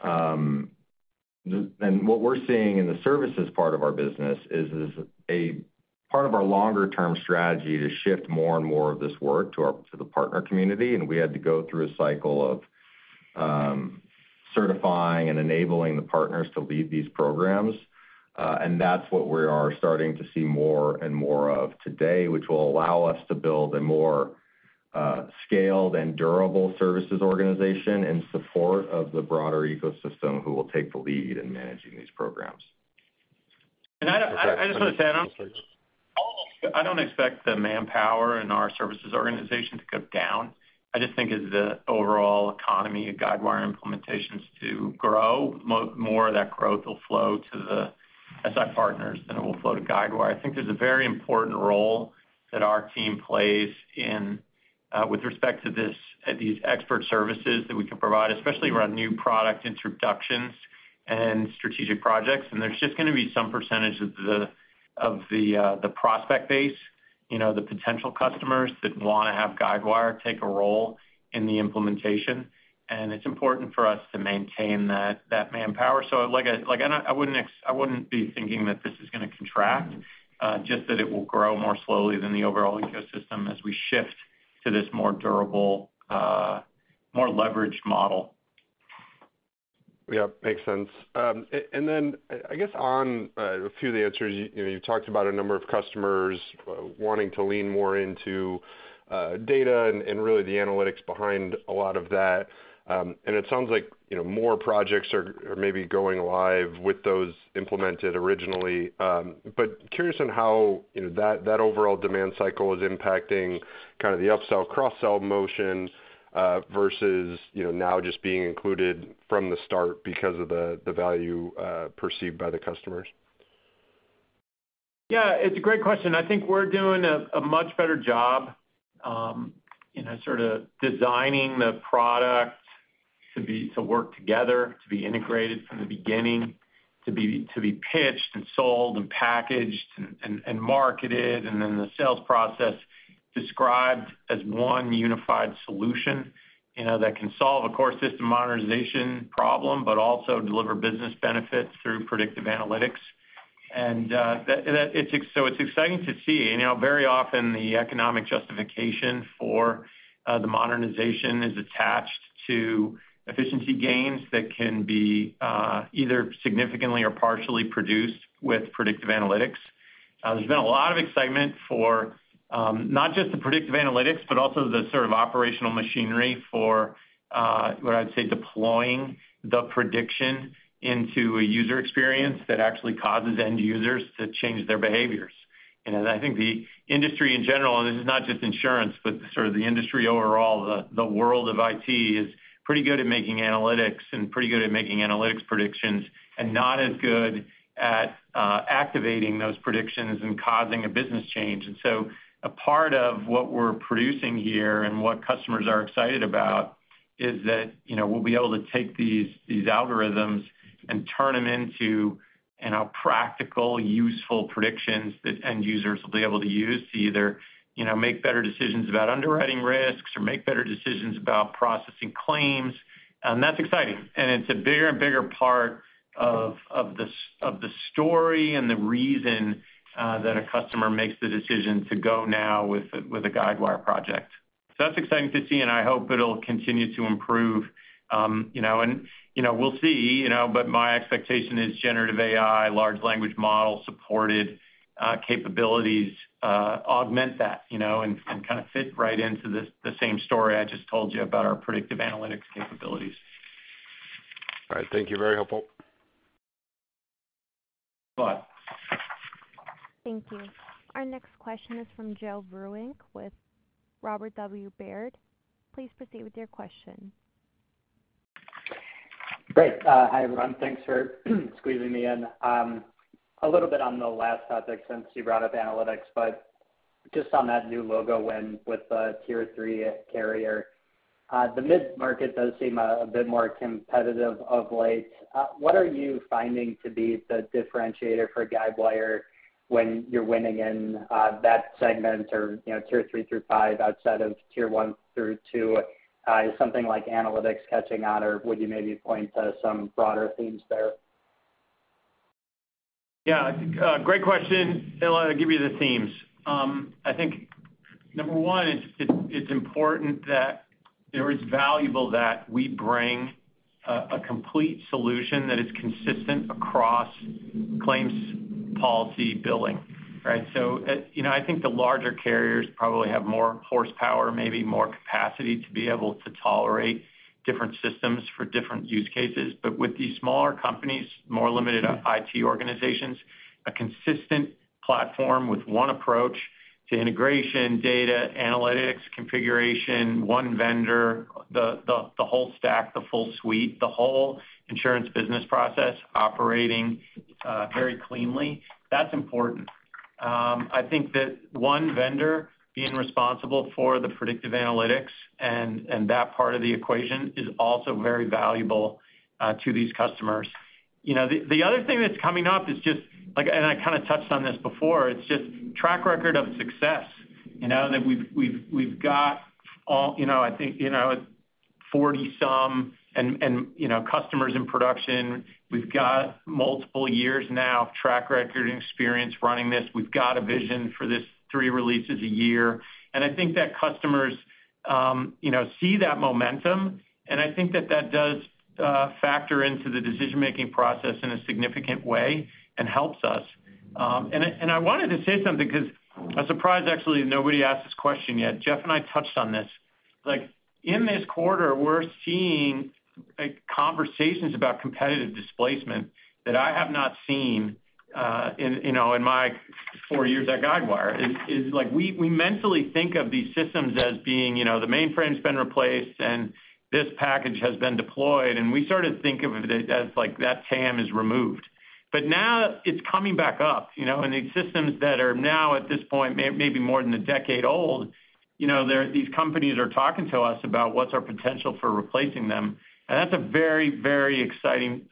What we're seeing in the services part of our business is a part of our longer-term strategy to shift more and more of this work to the partner community, and we had to go through a cycle of certifying and enabling the partners to lead these programs. That's what we are starting to see more and more of today, which will allow us to build a more, scaled and durable services organization in support of the broader ecosystem, who will take the lead in managing these programs. I just want to add on. I don't expect the manpower in our services organization to go down. I just think as the overall economy of Guidewire implementations to grow, more of that growth will flow to the SI partners than it will flow to Guidewire. I think there's a very important role that our team plays in with respect to this, these expert services that we can provide, especially around new product introductions and strategic projects. There's just gonna be some percentage of the prospect base, you know, the potential customers that want to have Guidewire take a role in the implementation, and it's important for us to maintain that manpower.like I know I wouldn't be thinking that this is gonna contract, just that it will grow more slowly than the overall ecosystem as we shift to this more durable, more leveraged model. Yeah, makes sense. Then I guess on a few of the answers, you know, you talked about a number of customers wanting to lean more into data and really the analytics behind a lot of that. It sounds like, you know, more projects are maybe going live with those implemented originally. Curious on how, you know, that overall demand cycle is impacting kind of the upsell, cross-sell motion versus, you know, now just being included from the start because of the value perceived by the customers. It's a great question. I think we're doing a much better job, you know, sort of designing the product to work together, to be integrated from the beginning, to be pitched and sold and packaged and marketed, and then the sales process described as one unified solution, you know, that can solve a core system modernization problem, but also deliver business benefits through predictive analytics. That it's exciting to see. You know, very often, the economic justification for the modernization is attached to efficiency gains that can be either significantly or partially produced with predictive analytics. There's been a lot of excitement for, not just the predictive analytics, but also the sort of operational machinery for, what I'd say, deploying the prediction into a user experience that actually causes end users to change their behaviors. I think the industry in general, and this is not just insurance, but sort of the industry overall, the world of IT, is pretty good at making analytics and pretty good at making analytics predictions, and not as good at, activating those predictions and causing a business change.A part of what we're producing here and what customers are excited about is that, you know, we'll be able to take these algorithms and turn them into, you know, practical, useful predictions that end users will be able to use to either, you know, make better decisions about underwriting risks or make better decisions about processing claims. That's exciting, and it's a bigger and bigger part of the story and the reason that a customer makes the decision to go now with a Guidewire project. That's exciting to see, and I hope it'll continue to improve. We'll see, but my expectation is generative AI, large language model-supported capabilities, augment that, and kind of fit right into this, the same story I just told you about our predictive analytics capabilities. All right. Thank you. Very helpful. Bye. Thank you. Our next question is from Joe Vruwink with Robert W. Baird & Co. Please proceed with your question. Great. Hi, everyone. Thanks for squeezing me in. A little bit on the last topic, since you brought up analytics, but just on that new logo win with the tier three carrier. The mid-market does seem a bit more competitive of late. What are you finding to be the differentiator for Guidewire when you're winning in that segment or, you know, tier three through five, outside of tier one through two? Is something like analytics catching on, or would you maybe point to some broader themes there? Yeah, I think, great question. I'll give you the themes. I think, number one, it's important that, or it's valuable that we bring a complete solution that is consistent across claims, policy, billing, right? You know, I think the larger carriers probably have more horsepower, maybe more capacity to be able to tolerate different systems for different use cases. With these smaller companies, more limited IT organizations, a consistent platform with one approach to integration, data, analytics, configuration, one vendor, the whole stack, the full suite, the whole insurance business process operating very cleanly, that's important. I think that one vendor being responsible for the predictive analytics and that part of the equation is also very valuable to these customers. You know, the other thing that's coming up is just like... I kind of touched on this before, it's just track record of success. You know, that we've got all, you know, I think, you know, 40 some and, you know, customers in production. We've got multiple years now of track record and experience running this. We've got a vision for this three releases a year. I think that customers, you know, see that momentum, and I think that that does factor into the decision-making process in a significant way and helps us. I wanted to say something because I'm surprised, actually, nobody asked this question yet. Jeff and I touched on this. Like, in this quarter, we're seeing, like, conversations about competitive displacement that I have not seen, in, you know, in my four years at Guidewire. It's like, we mentally think of these systems as being, you know, the mainframe's been replaced, and this package has been deployed, and we sort of think of it as like that TAM is removed. Now it's coming back up, you know, and these systems that are now at this point, maybe more than a decade old, you know, these companies are talking to us about what's our potential for replacing them. That's a very exciting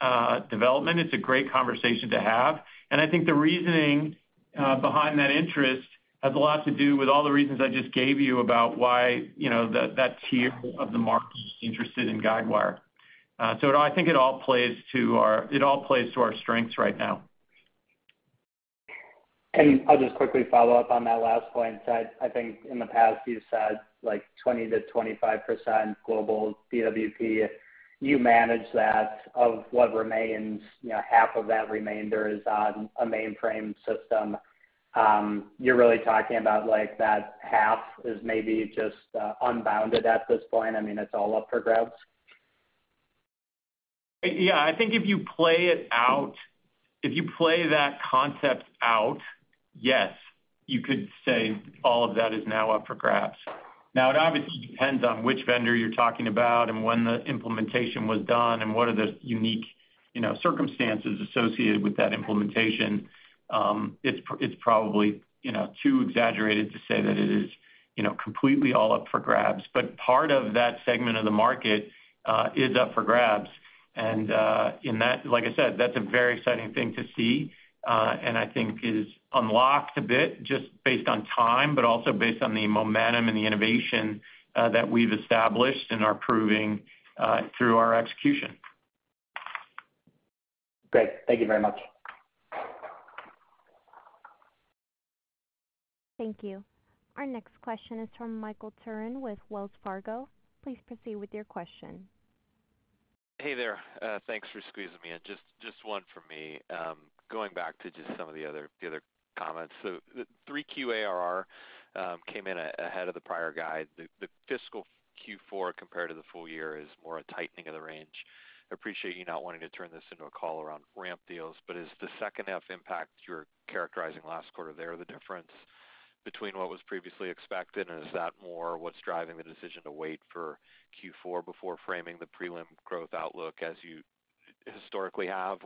development. It's a great conversation to have. I think the reasoning behind that interest has a lot to do with all the reasons I just gave you about why, you know, that tier of the market is interested in Guidewire. I think it all plays to our strengths right now. I'll just quickly follow up on that last point. I think in the past, you've said, like, 20%-25% global DWP, you manage that. Of what remains, you know, half of that remainder is on a mainframe system. You're really talking about, like, that half is maybe just unbounded at this point? I mean, it's all up for grabs. Yeah, I think if you play it out, if you play that concept out, yes, you could say all of that is now up for grabs. It obviously depends on which vendor you're talking about and when the implementation was done, and what are the unique, you know, circumstances associated with that implementation. It's probably, you know, too exaggerated to say that it is, you know, completely all up for grabs, but part of that segment of the market is up for grabs. Like I said, that's a very exciting thing to see, and I think is unlocked a bit just based on time, but also based on the momentum and the innovation that we've established and are proving through our execution. Great. Thank you very much. Thank you. Our next question is from Michael Turrin with Wells Fargo. Please proceed with your question. Hey there. Thanks for squeezing me in. Just one for me. Going back to just some of the other comments. The 3Q ARR came in ahead of the prior guide. The fiscal Q4 compared to the full year is more a tightening of the range. I appreciate you not wanting to turn this into a call around ramp deals, is the second half impact you're characterizing last quarter there, the difference between what was previously expected, and is that more what's driving the decision to wait for Q4 before framing the prelim growth outlook as you historically have?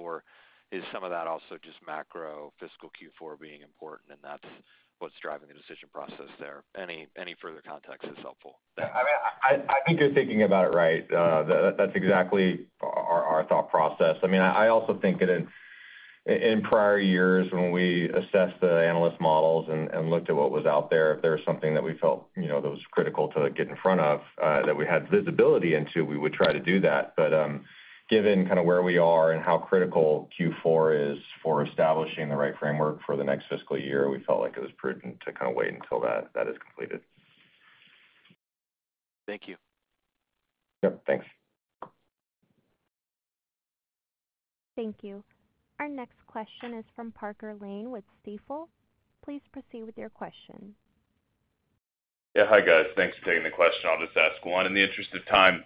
Is some of that also just macro fiscal Q4 being important, and that's what's driving the decision process there? Any further context is helpful. I think you're thinking about it right. That's exactly our thought process. I mean, I also think that in prior years, when we assessed the analyst models and looked at what was out there, if there was something that we felt, you know, that was critical to get in front of, that we had visibility into, we would try to do that. Given kind of where we are and how critical Q4 is for establishing the right framework for the next fiscal year, we felt like it was prudent to kind of wait until that is completed. Thank you. Yep, thanks. Thank you. Our next question is from Parker Lane with Stifel. Please proceed with your question. Yeah. Hi, guys. Thanks for taking the question. I'll just ask one in the interest of time.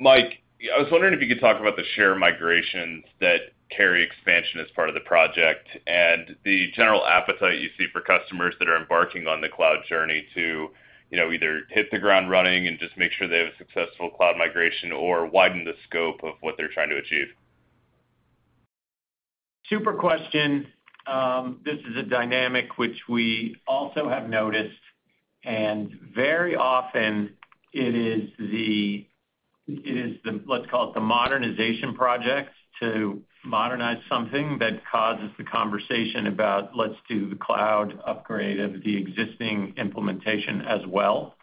Mike, I was wondering if you could talk about the share migrations that carry expansion as part of the project, and the general appetite you see for customers that are embarking on the cloud journey to, you know, either hit the ground running and just make sure they have a successful cloud migration or widen the scope of what they're trying to achieve? Super question. This is a dynamic which we also have noticed, and very often it is the, let's call it, the modernization projects to modernize something that causes the conversation about let's do the cloud upgrade of the existing implementation as well.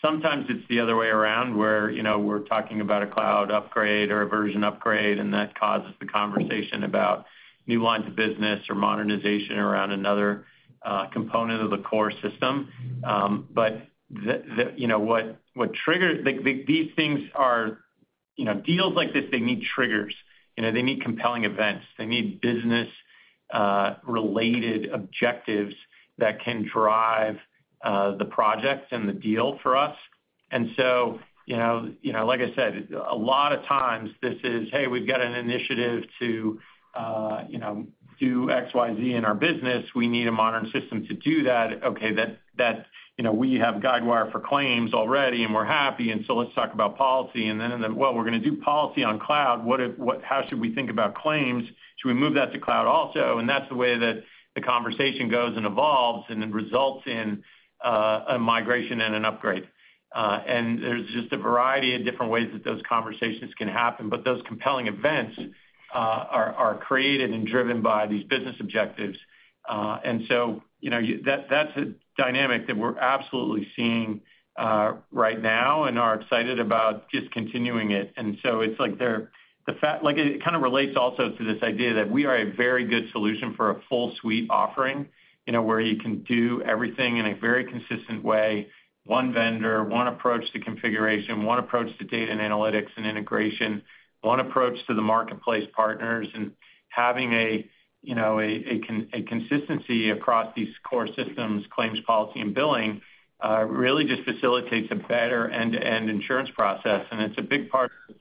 Sometimes it's the other way around, where, you know, we're talking about a cloud upgrade or a version upgrade, and that causes the conversation about new lines of business or modernization around another component of the core system. But the, you know, what trigger. Like, these things are. You know, deals like this, they need triggers. You know, they need compelling events. They need business related objectives that can drive the project and the deal for us. You know, like I said, a lot of times this is, "Hey, we've got an initiative to, you know, do XYZ in our business. We need a modern system to do that. Okay, that, you know, we have Guidewire for claims already, and we're happy, and so let's talk about policy." Well, we're gonna do policy on cloud. What if, how should we think about claims? Should we move that to cloud also? That's the way that the conversation goes in a lot and then results in a migration and an upgrade. There's just a variety of different ways that those conversations can happen, but those compelling events are created and driven by these business objectives. You know, that's a dynamic that we're absolutely seeing right now and are excited about just continuing it. It's like they're, like, it kind of relates also to this idea that we are a very good solution for a full suite offering, you know, where you can do everything in a very consistent way, one vendor, one approach to configuration, one approach to data and analytics and integration, one approach to the marketplace partners. Having a, you know, a consistency across these core systems, claims, policy, and billing, really just facilitates a better end-to-end insurance process, and it's a big part of,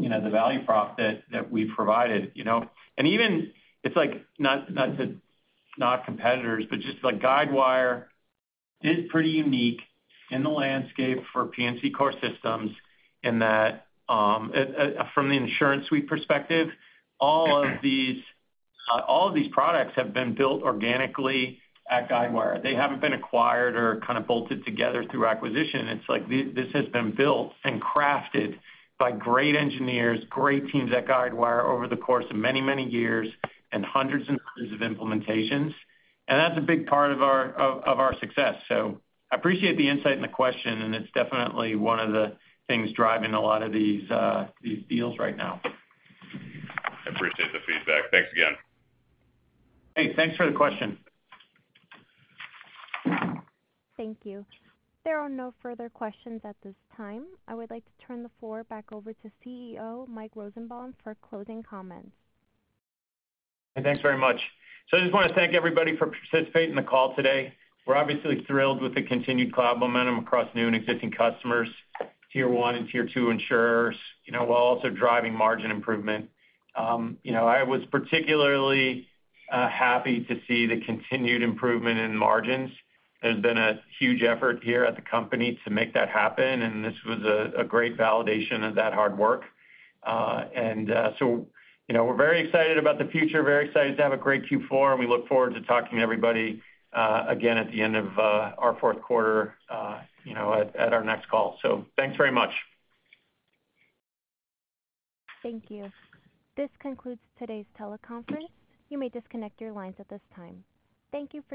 you know, the value prop that we've provided, you know. Even, it's like, not competitors, but just like Guidewire is pretty unique in the landscape for P&C core systems in that, from the InsuranceSuite perspective, all of these products have been built organically at Guidewire. They haven't been acquired or kind of bolted together through acquisition. It's like, this has been built and crafted by great engineers, great teams at Guidewire over the course of many years and hundreds of implementations, and that's a big part of our success. I appreciate the insight and the question. It's definitely one of the things driving a lot of these deals right now. I appreciate the feedback. Thanks again. Hey, thanks for the question. Thank you. There are no further questions at this time. I would like to turn the floor back over to CEO, Mike Rosenbaum, for closing comments. Hey, thanks very much. I just wanna thank everybody for participating in the call today. We're obviously thrilled with the continued cloud momentum across new and existing customers, tier one and tier two insurers, you know, while also driving margin improvement. You know, I was particularly happy to see the continued improvement in margins. There's been a huge effort here at the company to make that happen, and this was a great validation of that hard work. You know, we're very excited about the future, very excited to have a great Q4, and we look forward to talking to everybody again at the end of our fourth quarter, you know, at our next call. Thanks very much. Thank you. This concludes today's teleconference. You may disconnect your lines at this time. Thank you for your participation.